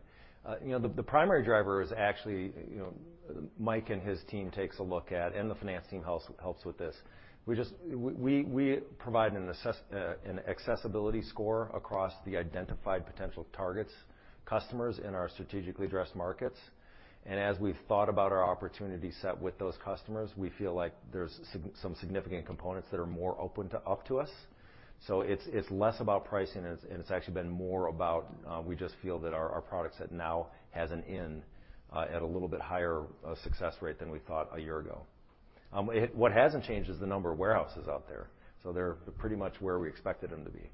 [SPEAKER 9] You know, the primary driver is actually, you know, Mike and his team takes a look at. The finance team helps with this. We provide an accessibility score across the identified potential targets, customers in our strategically addressed markets. As we've thought about our opportunity set with those customers, we feel like there's some significant components that are more open up to us. It's less about pricing and it's actually been more about, we just feel that our product set now has at a little bit higher success rate than we thought a year ago. What hasn't changed is the number of warehouses out there. They're pretty much where we expected them to be.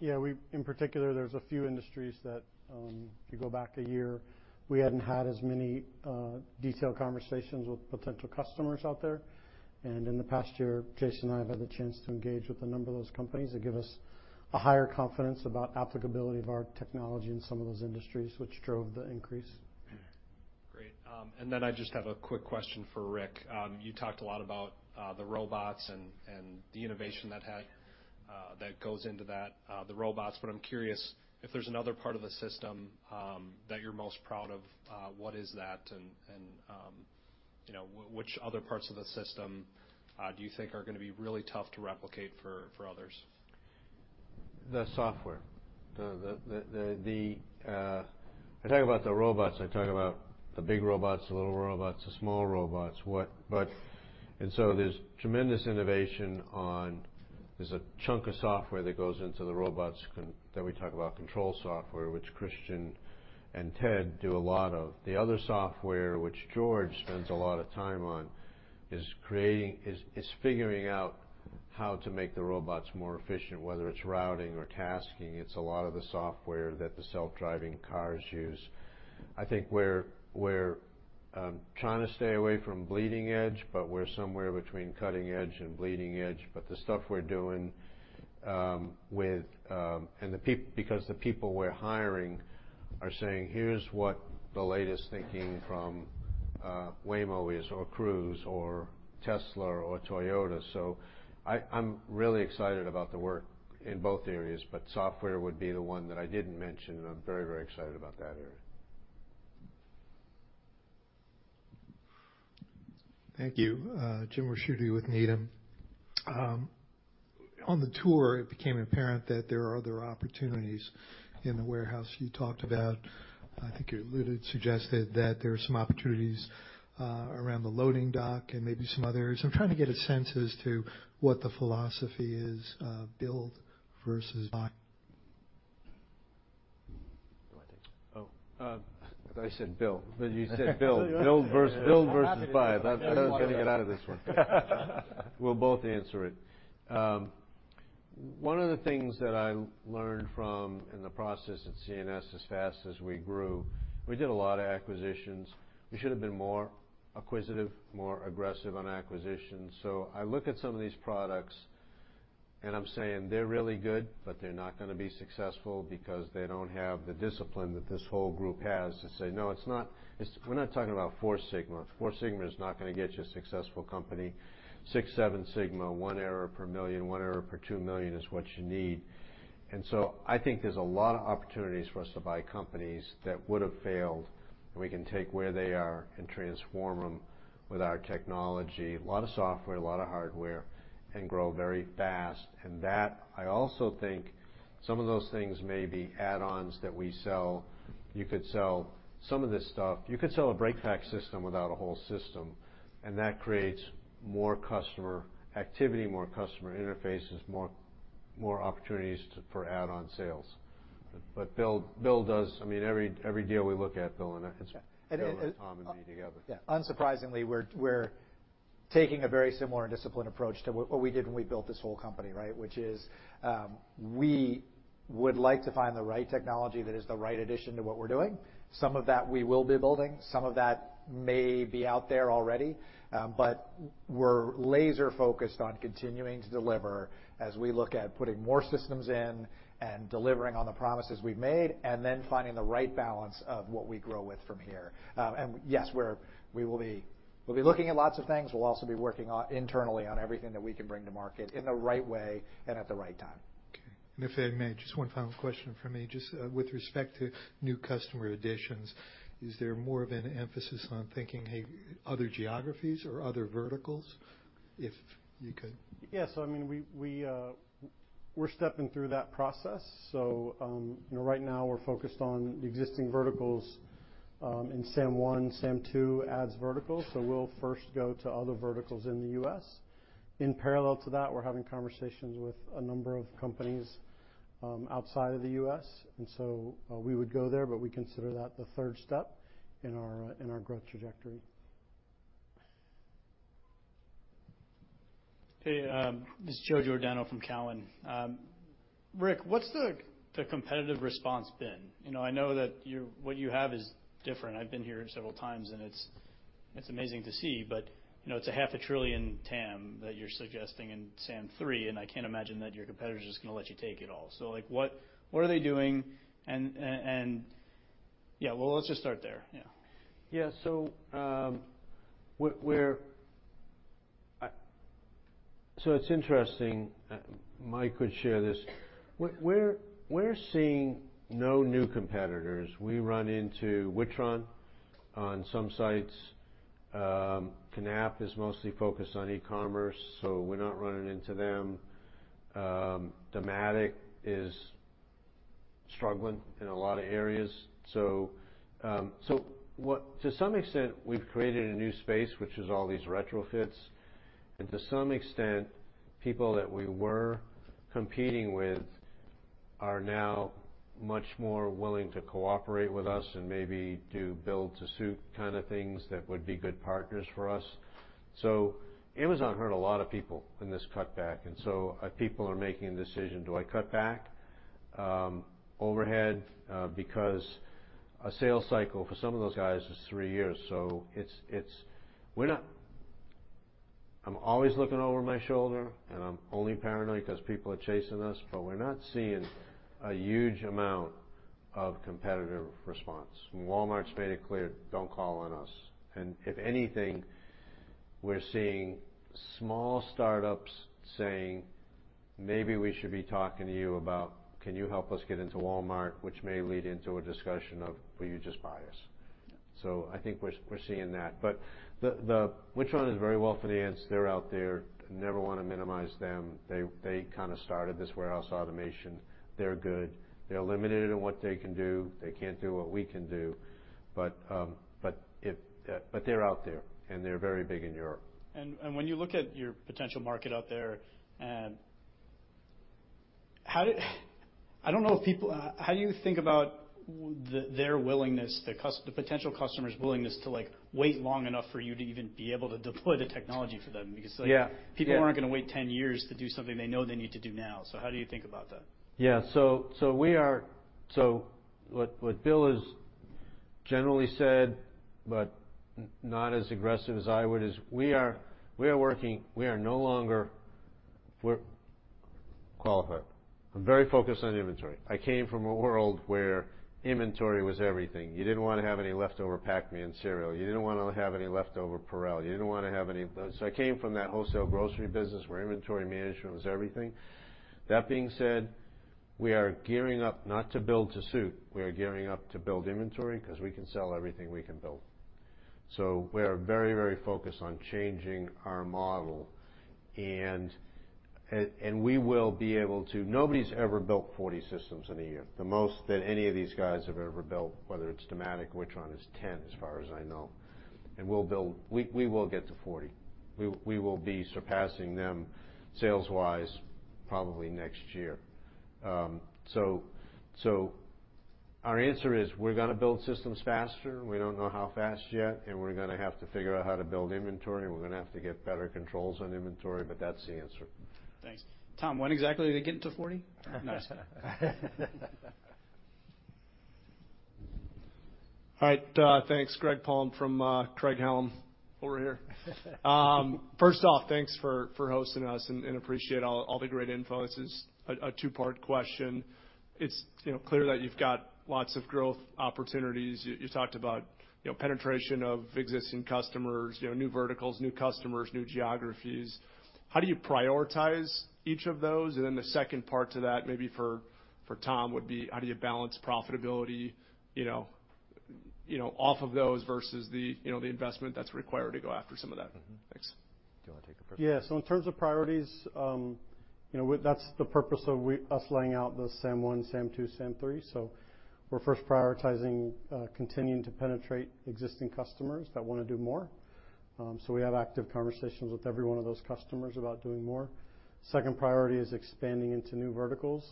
[SPEAKER 3] Yeah. In particular, there's a few industries that, if you go back a year, we hadn't had as many detailed conversations with potential customers out there. In the past year, Jason and I have had the chance to engage with a number of those companies that give us a higher confidence about applicability of our technology in some of those industries, which drove the increase.
[SPEAKER 13] Great. I just have a quick question for Rick. You talked a lot about the robots and the innovation that goes into that, the robots, but I'm curious if there's another part of the system that you're most proud of. What is that? Which other parts of the system do you think are gonna be really tough to replicate for others?
[SPEAKER 2] I talk about the robots, I talk about the big robots, the little robots, the small robots. There's tremendous innovation on, there's a chunk of software that goes into the robots that we talk about, control software, which Cristian and Ted do a lot of. The other software, which George spends a lot of time on, is figuring out how to make the robots more efficient, whether it's routing or tasking. It's a lot of the software that the self-driving cars use. I think we're trying to stay away from bleeding edge, but we're somewhere between cutting edge and bleeding edge. The stuff we're doing, because the people we're hiring are saying, "Here's what the latest thinking from Waymo is, or Cruise, or Tesla or Toyota." I'm really excited about the work in both areas, but software would be the one that I didn't mention, and I'm very, very excited about that area.
[SPEAKER 14] Thank you. Jim Ricchiuti with Needham. On the tour, it became apparent that there are other opportunities in the warehouse you talked about. I think you alluded, suggested that there are some opportunities around the loading dock and maybe some others. I'm trying to get a sense as to what the philosophy is of build versus buy?
[SPEAKER 9] You want to take this?
[SPEAKER 2] Oh, I thought you said "Bill." But you said build. Build versus buy.
[SPEAKER 9] I'm happy to. Yeah.
[SPEAKER 2] I thought I was gonna get out of this one. We'll both answer it. One of the things that I learned from in the process at C&S, as fast as we grew, we did a lot of acquisitions. We should have been more acquisitive, more aggressive on acquisitions. I look at some of these products, and I'm saying they're really good, but they're not gonna be successful because they don't have the discipline that this whole group has to say, "No. We're not talking about Four Sigma. Four Sigma is not gonna get you a successful company. Six Sigma, Seven Sigma, one error per million, one error per two million is what you need. I think there's a lot of opportunities for us to buy companies that would have failed. We can take where they are and transform them with our technology, a lot of software, a lot of hardware, and grow very fast. I also think some of those things may be add-ons that we sell. You could sell some of this stuff. You could sell a BreakPack system without a whole system. That creates more customer activity, more customer interfaces, more opportunities for add-on sales. Bill does, I mean, every deal we look at, Bill and I, it's Bill, Tom, and me together.
[SPEAKER 5] Yeah. Unsurprisingly, we're taking a very similar and disciplined approach to what we did when we built this whole company, right? Which is, we would like to find the right technology that is the right addition to what we're doing. Some of that we will be building, some of that may be out there already, but we're laser focused on continuing to deliver as we look at putting more systems in and delivering on the promises we've made, and then finding the right balance of what we grow with from here. Yes, we'll be looking at lots of things. We'll also be working on internally on everything that we can bring to market in the right way and at the right time.
[SPEAKER 14] Okay. If I may, just one final question from me. Just with respect to new customer additions, is there more of an emphasis on thinking, hey, other geographies or other verticals, if you could?
[SPEAKER 3] Yes. I mean, we're stepping through that process. You know, right now we're focused on existing verticals, in SAM-1, SAM-2 adds verticals, so we'll first go to other verticals in the U.S. In parallel to that, we're having conversations with a number of companies, outside of the U.S. We would go there, but we consider that the third step in our, in our growth trajectory.
[SPEAKER 15] Hey, this is Joe Giordano from Cowen. Rick, what's the competitive response been? You know, I know that what you have is different. I've been here several times, and it's amazing to see. You know, it's $0.5 trillion TAM that you're suggesting in SAM-3, and I can't imagine that your competitor is just gonna let you take it all. Like, what are they doing? Yeah. Well, let's just start there. Yeah.
[SPEAKER 2] Yeah. It's interesting. Mike could share this. We're seeing no new competitors. We run into WITRON on some sites. KNAPP is mostly focused on e-commerce, so we're not running into them. Dematic is struggling in a lot of areas. To some extent, we've created a new space, which is all these retrofits. To some extent, people that we were competing with are now much more willing to cooperate with us and maybe do build to suit kind of things that would be good partners for us. Amazon hurt a lot of people in this cutback, people are making a decision, do I cut back overhead? Because a sales cycle for some of those guys was three years. We're not. [inaudible] I'm always looking over my shoulder. I'm only paranoid 'cause people are chasing us, but we're not seeing a huge amount of competitive response. Walmart's made it clear, "Don't call on us." If anything, we're seeing small startups saying, "Maybe we should be talking to you about, can you help us get into Walmart?" Which may lead into a discussion of, will you just buy us? I think we're seeing that. The WITRON is very well-financed. They're out there. Never wanna minimize them. They kinda started this warehouse automation. They're good. They're limited in what they can do. They can't do what we can do. But if—they're out there, and they're very big in Europe.
[SPEAKER 15] When you look at your potential market out there. I don't know if people, how do you think about their willingness, the potential customer's willingness to, like, wait long enough for you to even be able to deploy the technology for them? Because, like—
[SPEAKER 2] Yeah. Yeah.
[SPEAKER 15] People aren't gonna wait 10 years to do something they know they need to do now. How do you think about that?
[SPEAKER 2] What Bill has generally said, but not as aggressive as I would, is we are working. [inaudible] qualify. I'm very focused on inventory. I came from a world where inventory was everything. You didn't wanna have any leftover Pac-Man cereal. You didn't wanna have any leftover PURELL. You didn't wanna have any of those. I came from that wholesale grocery business where inventory management was everything. That being said, we are gearing up not to build to suit. We are gearing up to build inventory 'cause we can sell everything we can build. We are very focused on changing our model, and nobody's ever built 40 systems in a year. The most that any of these guys have ever built, whether it's Dematic, WITRON, is 10, as far as I know. We will get to 40. We will be surpassing them sales-wise probably next year. Our answer is we're gonna build systems faster. We don't know how fast yet. We're gonna have to figure out how to build inventory. We're gonna have to get better controls on inventory. That's the answer.
[SPEAKER 15] Thanks. Tom, when exactly are they getting to 40?
[SPEAKER 16] All right. Thanks. Greg Palm from Craig-Hallum over here. First off, thanks for hosting us and appreciate all the great info. This is a two-part question. It's, you know, clear that you've got lots of growth opportunities. You talked about, you know, penetration of existing customers, you know, new verticals, new customers, new geographies. How do you prioritize each of those? The second part to that maybe for Tom would be, how do you balance profitability, you know, off of those versus the, you know, the investment that's required to go after some of that? Thanks.
[SPEAKER 2] Do you wanna take the first one?
[SPEAKER 3] Yeah. In terms of priorities, you know, that's the purpose of us laying out the SAM-1, SAM-2, SAM-3. We're first prioritizing continuing to penetrate existing customers that wanna do more. We have active conversations with every one of those customers about doing more. Second priority is expanding into new verticals,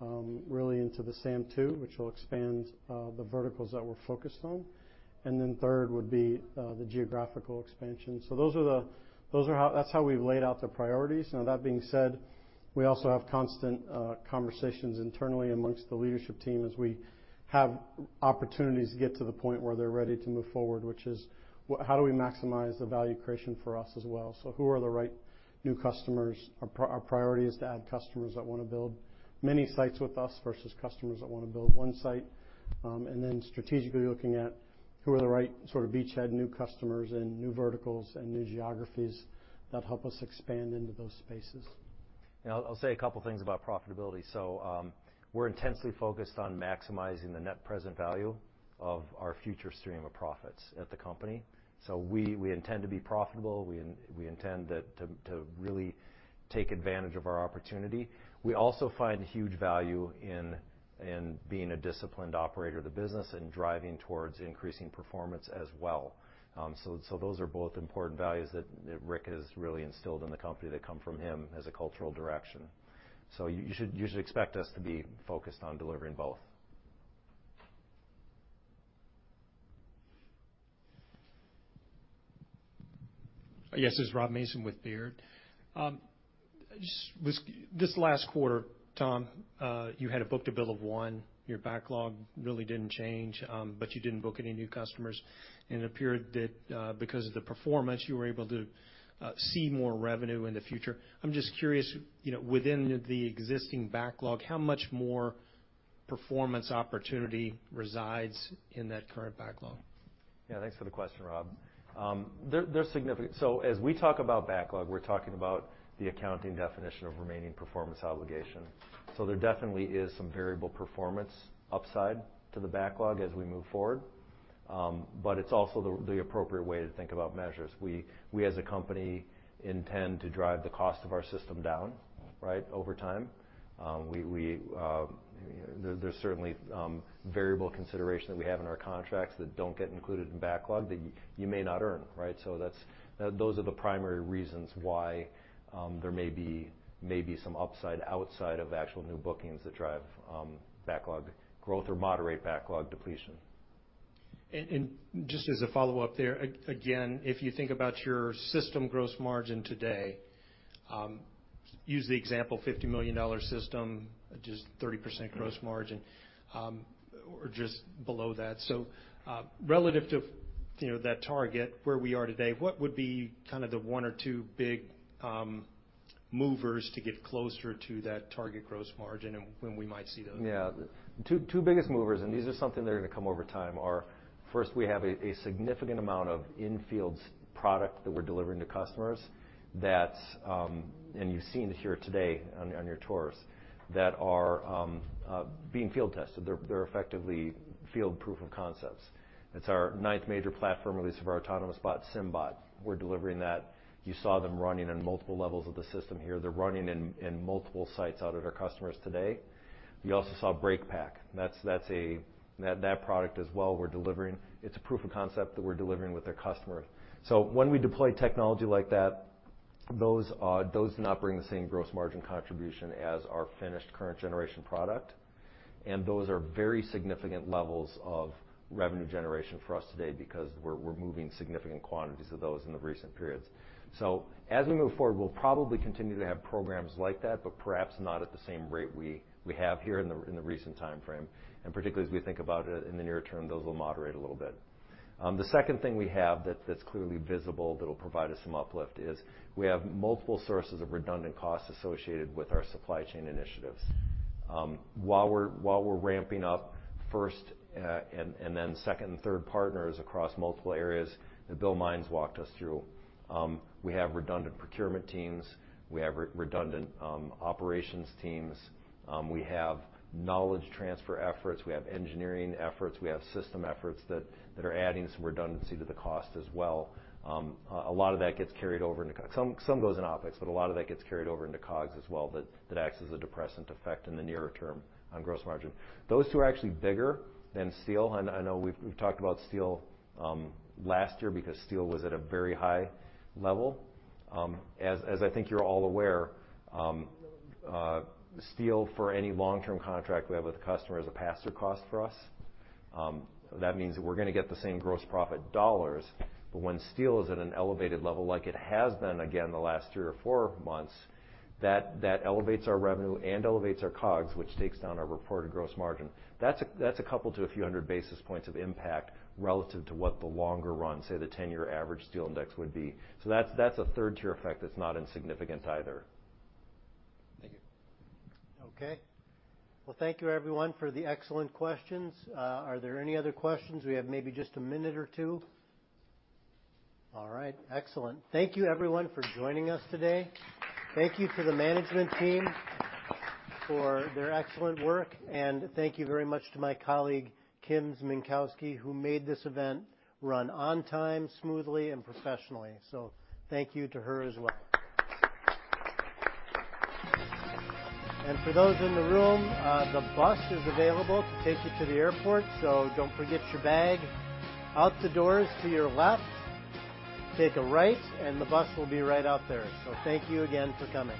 [SPEAKER 3] really into the SAM-2, which will expand the verticals that we're focused on. Third would be the geographical expansion. Those are how that's how we've laid out the priorities. Now, that being said, we also have constant conversations internally amongst the leadership team as we have opportunities to get to the point where they're ready to move forward, which is how do we maximize the value creation for us as well? Who are the right new customers? Our priority is to add customers that wanna build many sites with us versus customers that wanna build one site. Then strategically looking at who are the right sort of beachhead new customers and new verticals and new geographies that help us expand into those spaces.
[SPEAKER 9] I'll say a couple things about profitability. We're intensely focused on maximizing the net present value of our future stream of profits at the company. We intend to be profitable. We intend to really take advantage of our opportunity. We also find huge value in being a disciplined operator of the business and driving towards increasing performance as well. Those are both important values that Rick has really instilled in the company that come from him as a cultural direction. You should expect us to be focused on delivering both.
[SPEAKER 17] Yes, this is Rob Mason with Baird. This last quarter, Tom, you had a book-to-bill of 1. Your backlog really didn't change, but you didn't book any new customers. It appeared that, because of the performance, you were able to see more revenue in the future. I'm just curious, you know, within the existing backlog, how much more performance opportunity resides in that current backlog?
[SPEAKER 9] Thanks for the question, Rob. As we talk about backlog, we're talking about the accounting definition of remaining performance obligation. There definitely is some variable performance upside to the backlog as we move forward. It's also the appropriate way to think about measures. We as a company intend to drive the cost of our system down, right, over time. There's certainly variable consideration that we have in our contracts that don't get included in backlog that you may not earn, right? Those are the primary reasons why there may be some upside outside of actual new bookings that drive backlog growth or moderate backlog depletion.
[SPEAKER 17] Just as a follow-up there, again, if you think about your system gross margin today, use the example $50 million system, just 30% gross margin, or just below that. relative to, you know, that target where we are today, what would be kinda the one or two big movers to get closer to that target gross margin and when we might see those?
[SPEAKER 9] Yeah. Two biggest movers, these are something that are gonna come over time, are first, we have a significant amount of in-fields product that we're delivering to customers that you've seen here today on your tours, that are being field tested. They're effectively field proof of concepts. It's our ninth major platform release of our autonomous bot, SymBot. We're delivering that. You saw them running on multiple levels of the system here. They're running in multiple sites out at our customers today. You also saw BreakPack. That's that product as well we're delivering. It's a proof of concept that we're delivering with a customer. When we deploy technology like that, those do not bring the same gross margin contribution as our finished current-generation product, and those are very significant levels of revenue generation for us today because we're moving significant quantities of those in the recent periods. As we move forward, we'll probably continue to have programs like that, but perhaps not at the same rate we have here in the recent timeframe. And particularly as we think about it in the near term, those will moderate a little bit. The second thing we have that's clearly visible that'll provide us some uplift is we have multiple sources of redundant costs associated with our supply chain initiatives. While we're ramping up first, and then second and third partners across multiple areas that Bill Mines walked us through, we have redundant procurement teams. We have redundant operations teams. We have knowledge transfer efforts. We have engineering efforts. We have system efforts that are adding some redundancy to the cost as well. A lot of that gets carried over into—some goes in OpEx, but a lot of that gets carried over into COGS as well, that acts as a depressant effect in the nearer term on gross margin. Those two are actually bigger than steel. I know we've talked about steel last year because steel was at a very high level. As I think you're all aware, steel for any long-term contract we have with a customer is a pass-through cost for us. That means that we're gonna get the same gross profit dollars, but when steel is at an elevated level like it has been again the last three or four months, that elevates our revenue and elevates our COGS, which takes down our reported gross margin. That's a couple to a few hundred basis points of impact relative to what the longer run, say, the 10-year average steel index would be. That's a third-tier effect that's not insignificant either.
[SPEAKER 17] Thank you.
[SPEAKER 1] Thank you everyone for the excellent questions. Are there any other questions? We have maybe just a minute or two. Excellent. Thank you everyone for joining us today. Thank you to the management team for their excellent work, thank you very much to my colleague, [Kim Zmijewski], who made this event run on time, smoothly and professionally. Thank you to her as well. For those in the room, the bus is available to take you to the airport, don't forget your bag. Out the doors to your left, take a right, the bus will be right out there. Thank you again for coming.